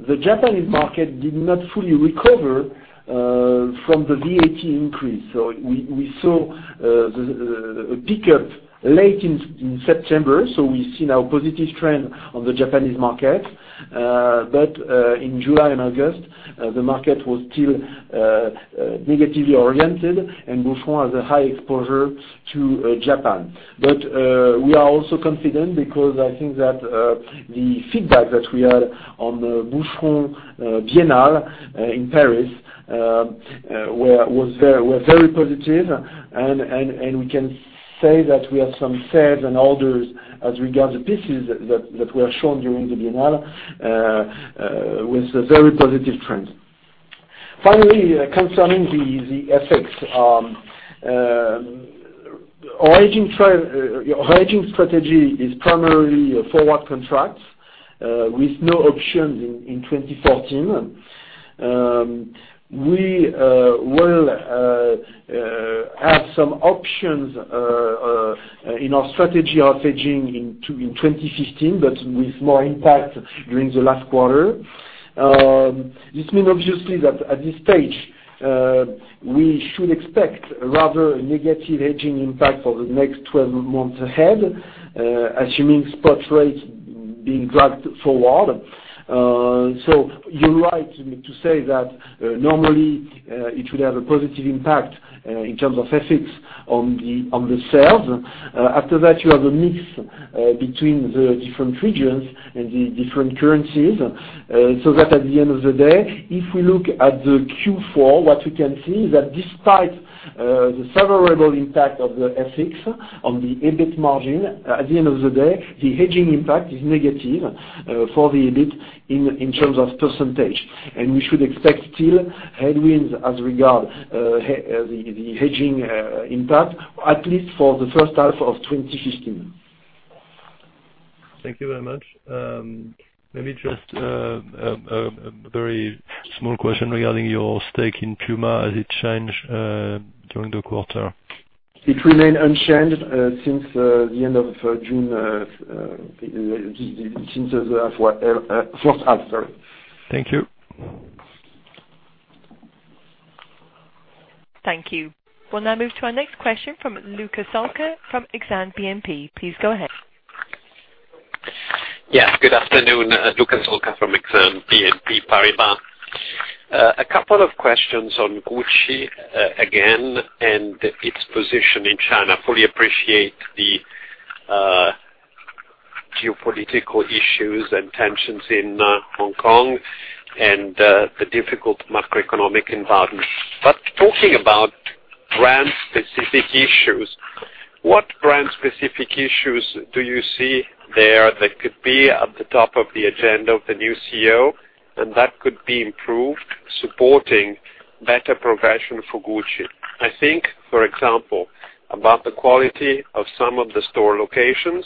Speaker 1: the Japanese market did not fully recover from the VAT increase. We saw a pickup late in September, we see now a positive trend on the Japanese market. In July and August, the market was still negatively oriented, and Boucheron has a high exposure to Japan. We are also confident because I think that the feedback that we had on the Boucheron Biennale in Paris were very positive, and we can say that we have some sales and orders as regards the pieces that were shown during the Biennale, with a very positive trend. Finally, concerning the FX. Our hedging strategy is primarily forward contracts with no options in 2014. We will have some options in our strategy of hedging in 2015, but with more impact during the last quarter. This means obviously that at this stage, we should expect a rather negative hedging impact for the next 12 months ahead, assuming spot rates being dragged forward. You're right to say that normally, it should have a positive impact in terms of FX on the sales. After that, you have a mix between the different regions and the different currencies. At the end of the day, if we look at the Q4, what we can see is that despite the favorable impact of the FX on the EBIT margin, at the end of the day, the hedging impact is negative for the EBIT in terms of %. We should expect still headwinds as regard the hedging impact, at least for the first half of 2015.
Speaker 6: Thank you very much. Let me just, a very small question regarding your stake in Puma. Has it changed during the quarter?
Speaker 1: It remained unchanged since the end of June. Since the first half, sorry.
Speaker 6: Thank you.
Speaker 2: Thank you. We will now move to our next question from Luca Solca from Exane BNP. Please go ahead.
Speaker 7: Yes, good afternoon. Luca Solca from Exane BNP Paribas. A couple of questions on Gucci again and its position in China. Fully appreciate the political issues and tensions in Hong Kong and the difficult macroeconomic environment. Talking about brand-specific issues, what brand-specific issues do you see there that could be at the top of the agenda of the new CEO, and that could be improved supporting better progression for Gucci? I think, for example, about the quality of some of the store locations,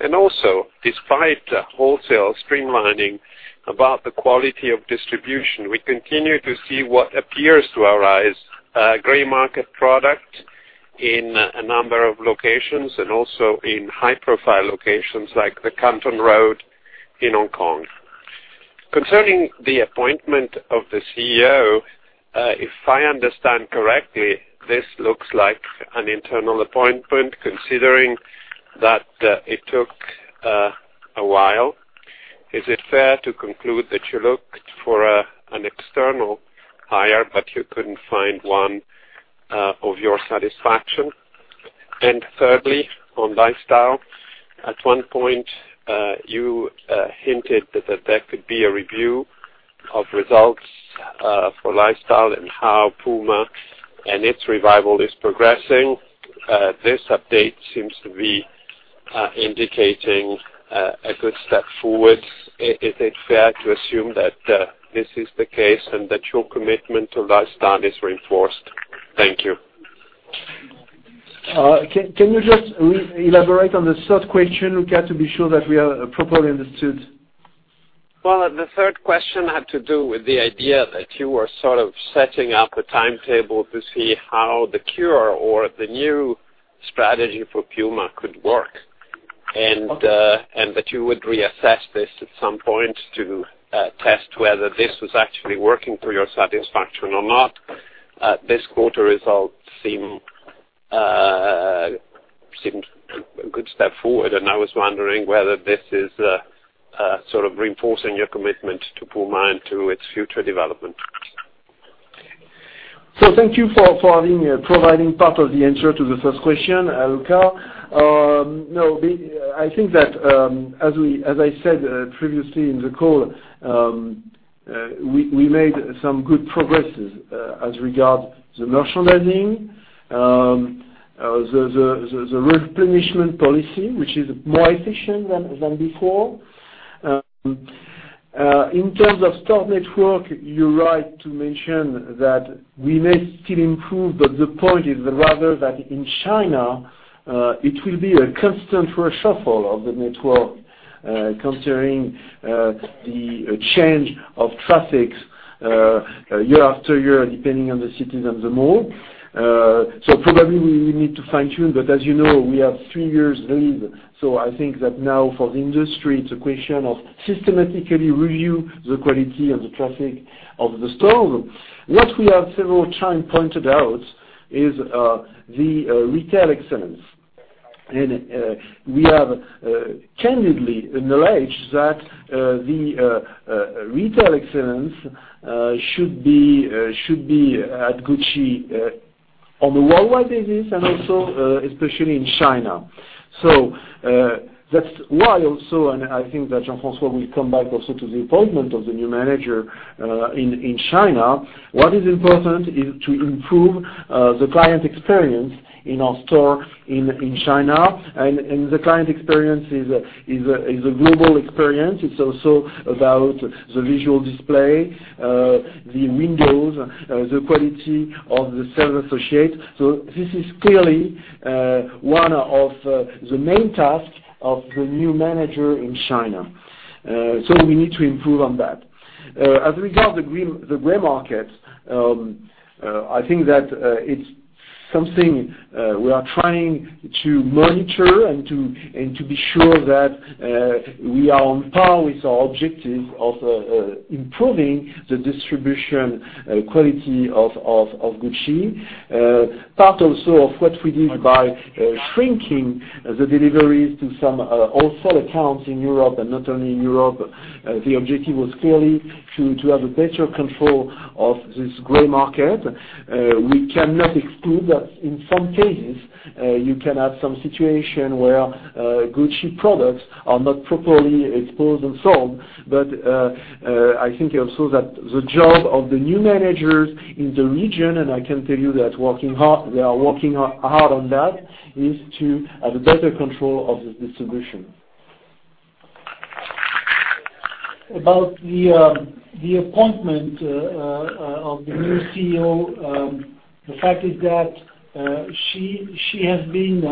Speaker 7: and also despite wholesale streamlining, about the quality of distribution. We continue to see what appears to our eyes gray market product in a number of locations and also in high-profile locations like the Canton Road in Hong Kong. Concerning the appointment of the CEO, if I understand correctly, this looks like an internal appointment considering that it took a while. Is it fair to conclude that you looked for an external hire, but you couldn't find one of your satisfaction? Thirdly, on lifestyle, at one point, you hinted that there could be a review of results for lifestyle and how Puma and its revival is progressing. This update seems to be indicating a good step forward. Is it fair to assume that this is the case and that your commitment to lifestyle is reinforced? Thank you.
Speaker 1: Can you just re-elaborate on the third question, Luca, to be sure that we have properly understood?
Speaker 7: Well, the third question had to do with the idea that you were sort of setting up a timetable to see how the cure or the new strategy for Puma could work. That you would reassess this at some point to test whether this was actually working to your satisfaction or not. This quarter results seemed a good step forward, and I was wondering whether this is sort of reinforcing your commitment to Puma and to its future development.
Speaker 1: Thank you for providing part of the answer to the first question, Luca. No, I think that, as I said previously in the call, we made some good progresses as regard the merchandising, the replenishment policy, which is more efficient than before. In terms of stock network, you're right to mention that we may still improve, but the point is rather that in China, it will be a constant reshuffle of the network, considering the change of traffic year after year, depending on the cities and the mall. Probably we need to fine-tune, but as you know, we have three years lead. I think that now for the industry, it's a question of systematically review the quality and the traffic of the store. What we have several time pointed out is the retail excellence. We have candidly acknowledged that the retail excellence should be at Gucci on a worldwide basis, also, especially in China. That's why also, I think that Jean-François will come back also to the appointment of the new manager in China. What is important is to improve the client experience in our store in China, and the client experience is a global experience. It's also about the visual display, the windows, the quality of the sales associate. This is clearly one of the main tasks of the new manager in China. We need to improve on that. As a result, the gray market, I think that it's something we are trying to monitor and to be sure that we are on par with our objective of improving the distribution quality of Gucci. Part also of what we did by shrinking the deliveries to some wholesale accounts in Europe and not only in Europe. The objective was clearly to have a better control of this gray market. We cannot exclude that in some cases, you can have some situation where Gucci products are not properly exposed and sold. I think also that the job of the new managers in the region, and I can tell you they are working hard on that, is to have a better control of the distribution.
Speaker 5: About the appointment of the new CEO, the fact is that she has been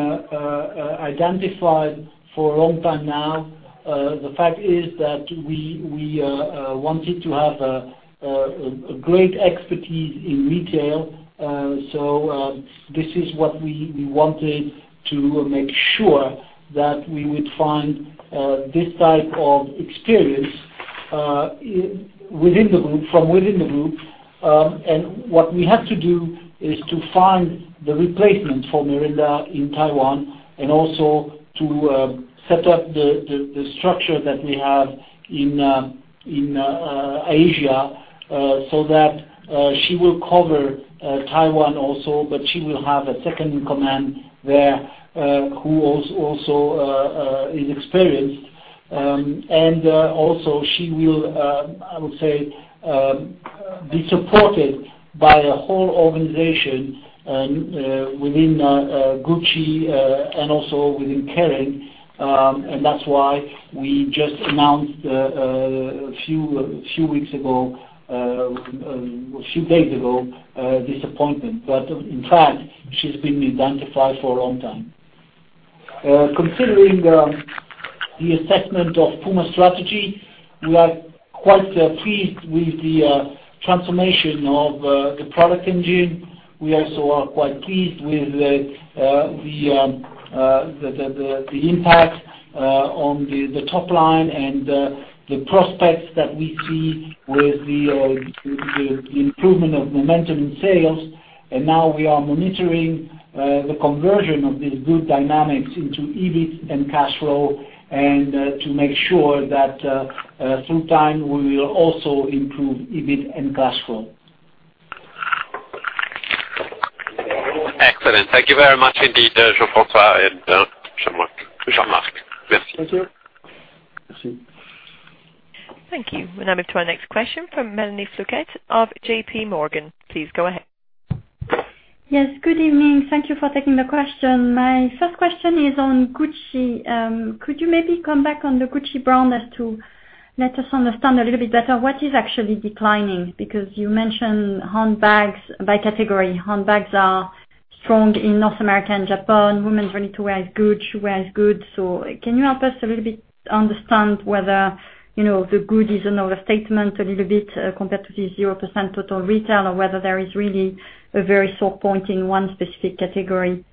Speaker 5: identified for a long time now. The fact is that we wanted to have a great expertise in retail. This is what we wanted to make sure that we would find this type of experience from within the group. What we have to do is to find the replacement for Merinda in Taiwan and also to set up the structure that we have in Asia, so that she will cover Taiwan also, but she will have a second in command there, who also is experienced. Also she will, I would say, be supported by a whole organization within Gucci, also within Kering. That's why we just announced a few days ago, this appointment. In fact, she's been identified for a long time. Considering the assessment of Puma strategy, we are quite pleased with the transformation of the product engine. We also are quite pleased with the impact on the top line and the prospects that we see with the improvement of momentum in sales. Now we are monitoring the conversion of these good dynamics into EBIT and cash flow, to make sure that through time, we will also improve EBIT and cash flow.
Speaker 7: Excellent. Thank you very much indeed, Jean-François and Jean-Marc. Merci.
Speaker 5: Thank you.
Speaker 2: Thank you. We now move to our next question from Mélanie Flouquet of JP Morgan. Please go ahead.
Speaker 8: Yes, good evening. Thank you for taking the question. My first question is on Gucci. Could you maybe come back on the Gucci brand as to let us understand a little bit better what is actually declining? Because you mentioned by category, handbags are strong in North America and Japan. Women's ready-to-wear is good. Can you help us a little bit understand whether the good is an overstatement a little bit, compared to the 0% total retail? Whether there is really a very sore point in one specific category.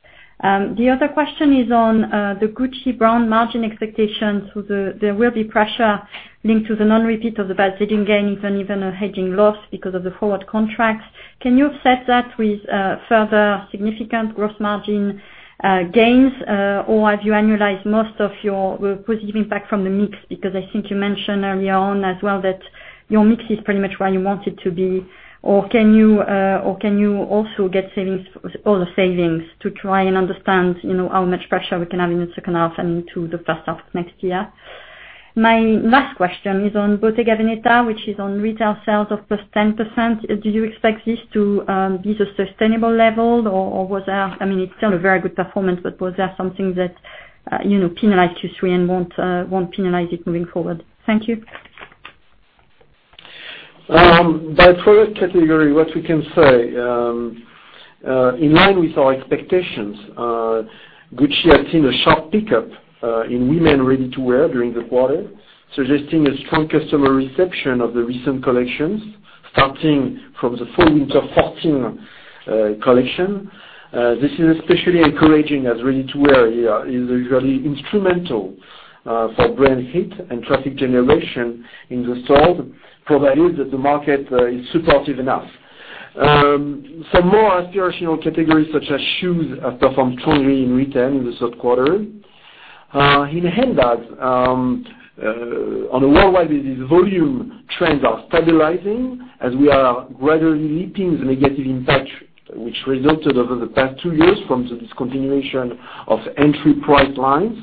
Speaker 8: The other question is on the Gucci brand margin expectations. There will be pressure linked to the non-repeat of the VAT gains and even a hedging loss because of the forward contracts. Can you offset that with further significant gross margin gains? Have you annualized most of your positive impact from the mix? I think you mentioned earlier on as well that your mix is pretty much where you want it to be. Can you also get all the savings to try and understand how much pressure we can have in the second half and into the first half of next year? My last question is on Bottega Veneta, which is on retail sales of plus 10%. Do you expect this to be a sustainable level? It's still a very good performance, but was that something that penalized Q3 and won't penalize it moving forward? Thank you.
Speaker 1: By product category, what we can say, in line with our expectations, Gucci has seen a sharp pickup in women ready-to-wear during the quarter, suggesting a strong customer reception of the recent collections starting from the fall-winter 2014 collection. This is especially encouraging as ready-to-wear is really instrumental for brand hit and traffic generation in the store, provided that the market is supportive enough. Some more aspirational categories, such as shoes, have performed strongly in retail in the third quarter. In handbags on a worldwide basis, volume trends are stabilizing as we are gradually leaping the negative impact which resulted over the past two years from the discontinuation of entry price lines.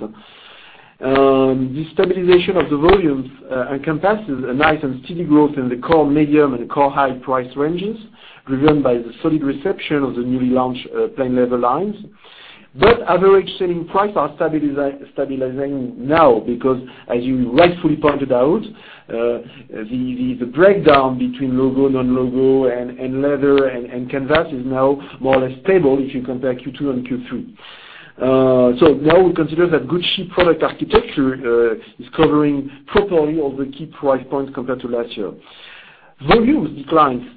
Speaker 1: This stabilization of the volumes encompasses a nice and steady growth in the core medium and core high price ranges, driven by the solid reception of the newly launched plain leather lines. Average selling price are stabilizing now because, as you rightfully pointed out, the breakdown between logo, non-logo, and leather and canvas is now more or less stable if you compare Q2 and Q3. Now we consider that Gucci product architecture is covering properly all the key price points compared to last year. Volumes declined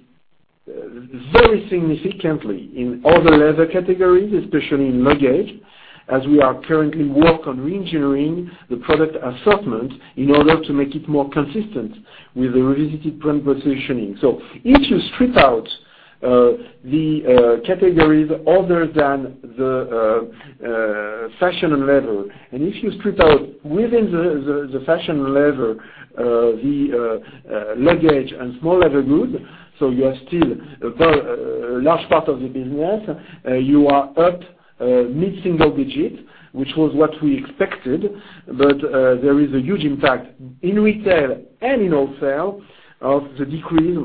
Speaker 1: very significantly in other leather categories, especially in luggage, as we are currently working on reengineering the product assortment in order to make it more consistent with the revisited brand positioning. If you strip out the categories other than the fashion and leather, and if you strip out within the fashion and leather, the luggage and small leather goods, so you are still a large part of the business. You are up mid-single digits, which was what we expected. There is a huge impact in retail and in wholesale of the decrease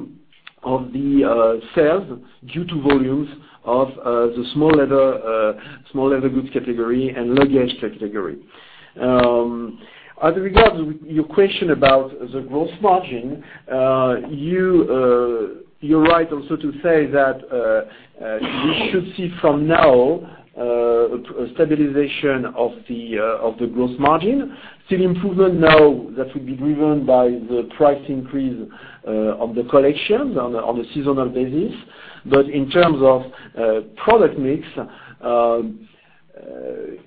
Speaker 1: of the sales due to volumes of the small leather goods category and luggage category. As regards your question about the gross margin, you're right also to say that we should see from now a stabilization of the gross margin. Still improvement now that will be driven by the price increase of the collection on a seasonal basis. In terms of product mix,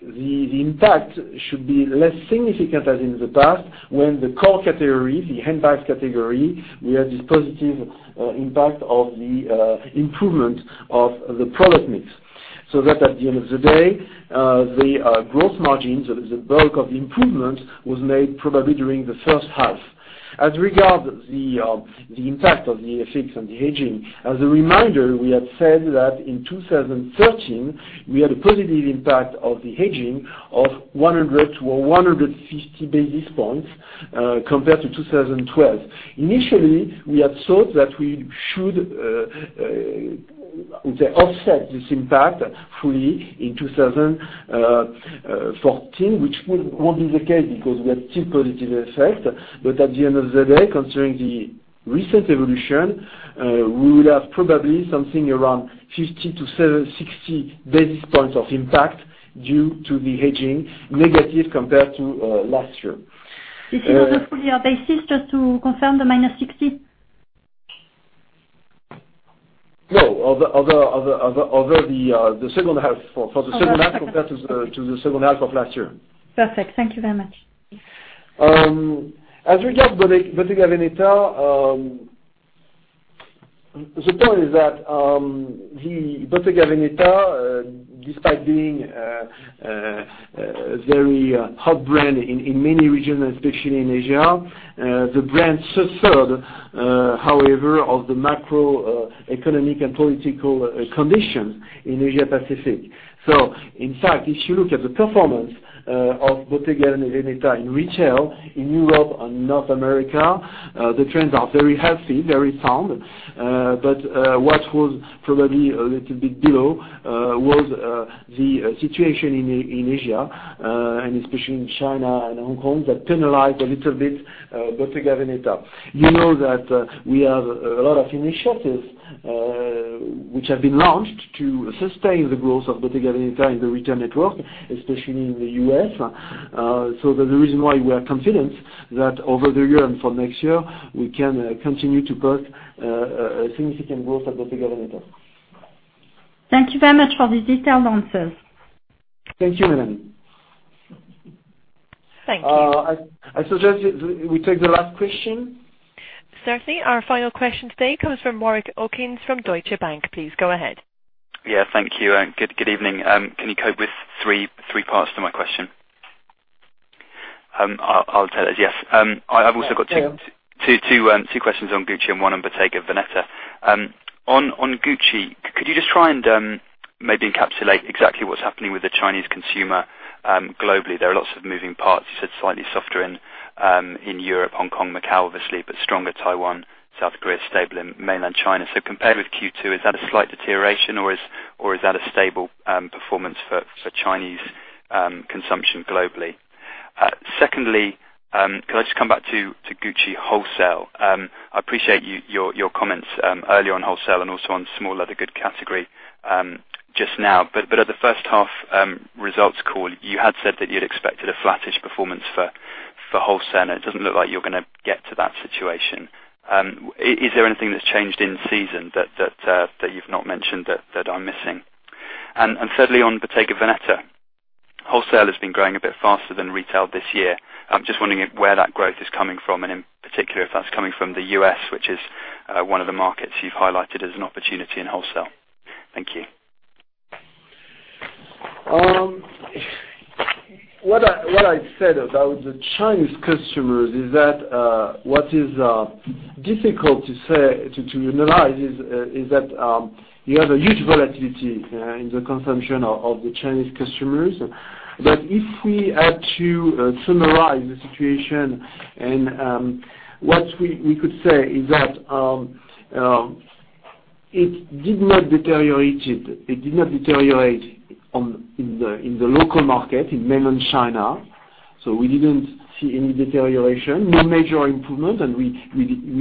Speaker 1: the impact should be less significant as in the past when the core category, the handbags category, we have this positive impact of the improvement of the product mix. That at the end of the day, the gross margins, the bulk of the improvement was made probably during the first half. As regards the impact of the FX on the hedging, as a reminder, we had said that in 2013, we had a positive impact of the hedging of 100 to 150 basis points compared to 2012. Initially, we had thought that we should offset this impact fully in 2014, which won't be the case, because we are still positive effect. At the end of the day, considering the recent evolution, we will have probably something around 50 to 60 basis points of impact due to the hedging, negative compared to last year.
Speaker 8: This is over full-year basis, just to confirm, the minus 60?
Speaker 1: No. Over the second half.
Speaker 8: Oh, second half.
Speaker 1: compared to the second half of last year.
Speaker 8: Perfect. Thank you very much.
Speaker 1: As regard Bottega Veneta, the point is that Bottega Veneta, despite being a very hot brand in many regions, especially in Asia, the brand suffered, however, of the macroeconomic and political conditions in Asia-Pacific. In fact, if you look at the performance of Bottega Veneta in retail in Europe and North America, the trends are very healthy, very sound. What was probably a little bit below was the situation in Asia, and especially in China and Hong Kong, that penalized a little bit Bottega Veneta. You know that we have a lot of initiatives which have been launched to sustain the growth of Bottega Veneta in the retail network, especially in the U.S. The reason why we are confident that over the year and for next year, we can continue to post a significant growth at Bottega Veneta.
Speaker 8: Thank you very much for the detailed answers.
Speaker 1: Thank you, Melanie.
Speaker 8: Thank you.
Speaker 1: I suggest we take the last question.
Speaker 2: Certainly. Our final question today comes from Warwick Okines from Deutsche Bank. Please go ahead.
Speaker 9: Yes, thank you. Good evening. Can you cope with three parts to my question? I'll tell as Yes.
Speaker 1: Yes, we can.
Speaker 9: I've also got two questions on Gucci and one on Bottega Veneta. On Gucci, could you just try and maybe encapsulate exactly what's happening with the Chinese consumer globally? There are lots of moving parts. You said slightly softer in Europe, Hong Kong, Macau, obviously, but stronger Taiwan, South Korea, stable in mainland China. Compared with Q2, is that a slight deterioration, or is that a stable performance for Chinese consumption globally? Secondly, can I just come back to Gucci wholesale? I appreciate your comments earlier on wholesale and also on small leather goods category just now. At the first half results call, you had said that you'd expected a flattish performance for wholesale, and it doesn't look like you're going to get to that situation. Is there anything that's changed in season that you've not mentioned that I'm missing? Thirdly, on Bottega Veneta, wholesale has been growing a bit faster than retail this year. I'm just wondering where that growth is coming from, and in particular, if that's coming from the U.S., which is one of the markets you've highlighted as an opportunity in wholesale. Thank you.
Speaker 1: What I said about the Chinese customers is that what is difficult to analyze is that you have a huge volatility in the consumption of the Chinese consumers. If we had to summarize the situation, what we could say is that it did not deteriorate in the local market, in mainland China. We didn't see any deterioration. No major improvement, and we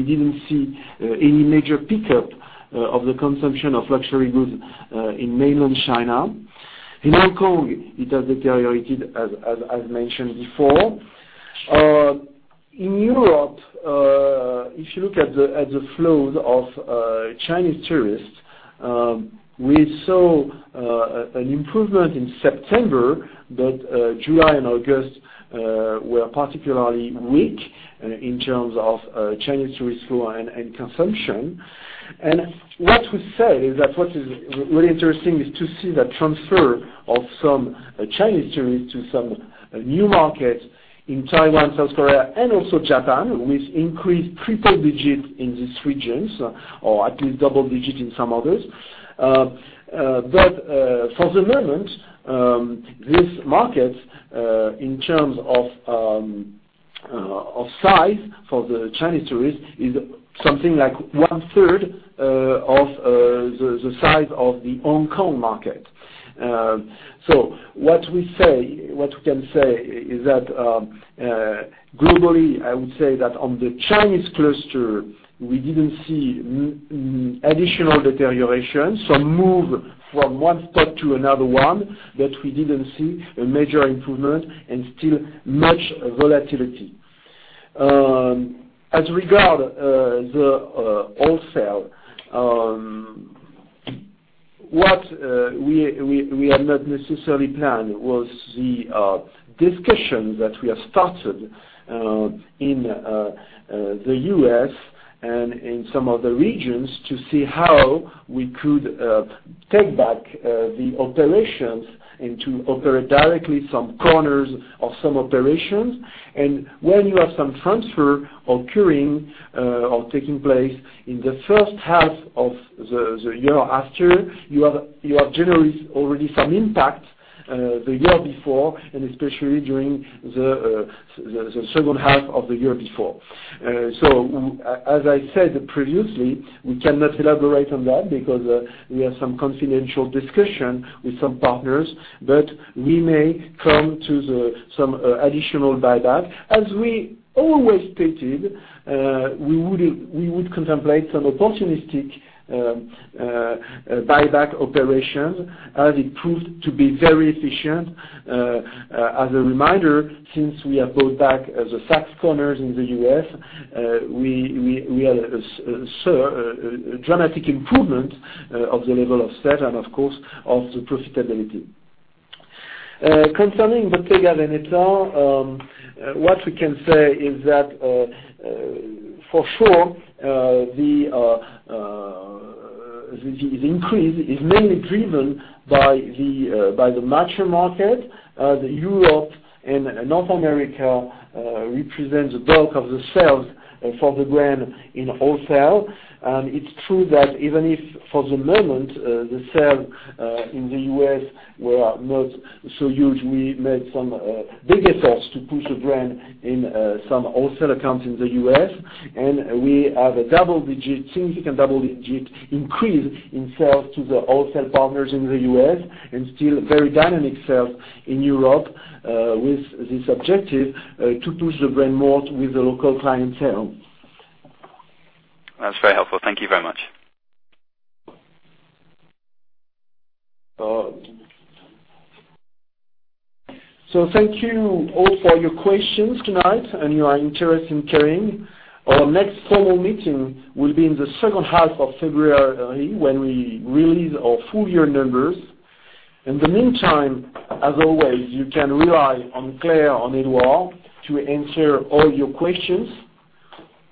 Speaker 1: didn't see any major pickup of the consumption of luxury goods in mainland China. In Hong Kong, it has deteriorated, as mentioned before. In Europe, if you look at the flows of Chinese tourists, we saw an improvement in September, but July and August were particularly weak in terms of Chinese tourist flow and consumption. What we say is that what is really interesting is to see the transfer of some Chinese tourists to some new markets in Taiwan, South Korea, and also Japan, which increased triple-digit in these regions, or at least double-digit in some others. For the moment, these markets, in terms of size for the Chinese tourists, is something like one-third of the size of the Hong Kong market. What we can say is that globally, I would say that on the Chinese cluster, we didn't see additional deterioration. Some move from one spot to another one, but we didn't see a major improvement, and still much volatility. As regard the wholesale, what we had not necessarily planned was the discussion that we have started in the U.S. In some of the regions to see how we could take back the operations and to operate directly some corners of some operations. When you have some transfer occurring or taking place in the first half of the year after, you have generally already some impact the year before, and especially during the second half of the year before. As I said previously, we cannot elaborate on that because we have some confidential discussion with some partners, but we may come to some additional buyback. As we always stated, we would contemplate some opportunistic buyback operations as it proved to be very efficient. As a reminder, since we have brought back the Saks corners in the U.S., we had a dramatic improvement of the level of sales and of course of the profitability. Concerning Bottega Veneta, what we can say is that for sure the increase is mainly driven by the mature market. Europe and North America represent the bulk of the sales for the brand in wholesale. It's true that even if for the moment the sales in the U.S. were not so huge, we made some big efforts to push the brand in some wholesale accounts in the U.S. We have a significant double-digit increase in sales to the wholesale partners in the U.S., and still very dynamic sales in Europe with this objective to push the brand more with the local clientele.
Speaker 9: That's very helpful. Thank you very much.
Speaker 1: Thank you all for your questions tonight and your interest in Kering. Our next formal meeting will be in the second half of February when we release our full year numbers. In the meantime, as always, you can rely on Claire or Edouard to answer all your questions.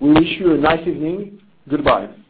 Speaker 1: We wish you a nice evening. Goodbye.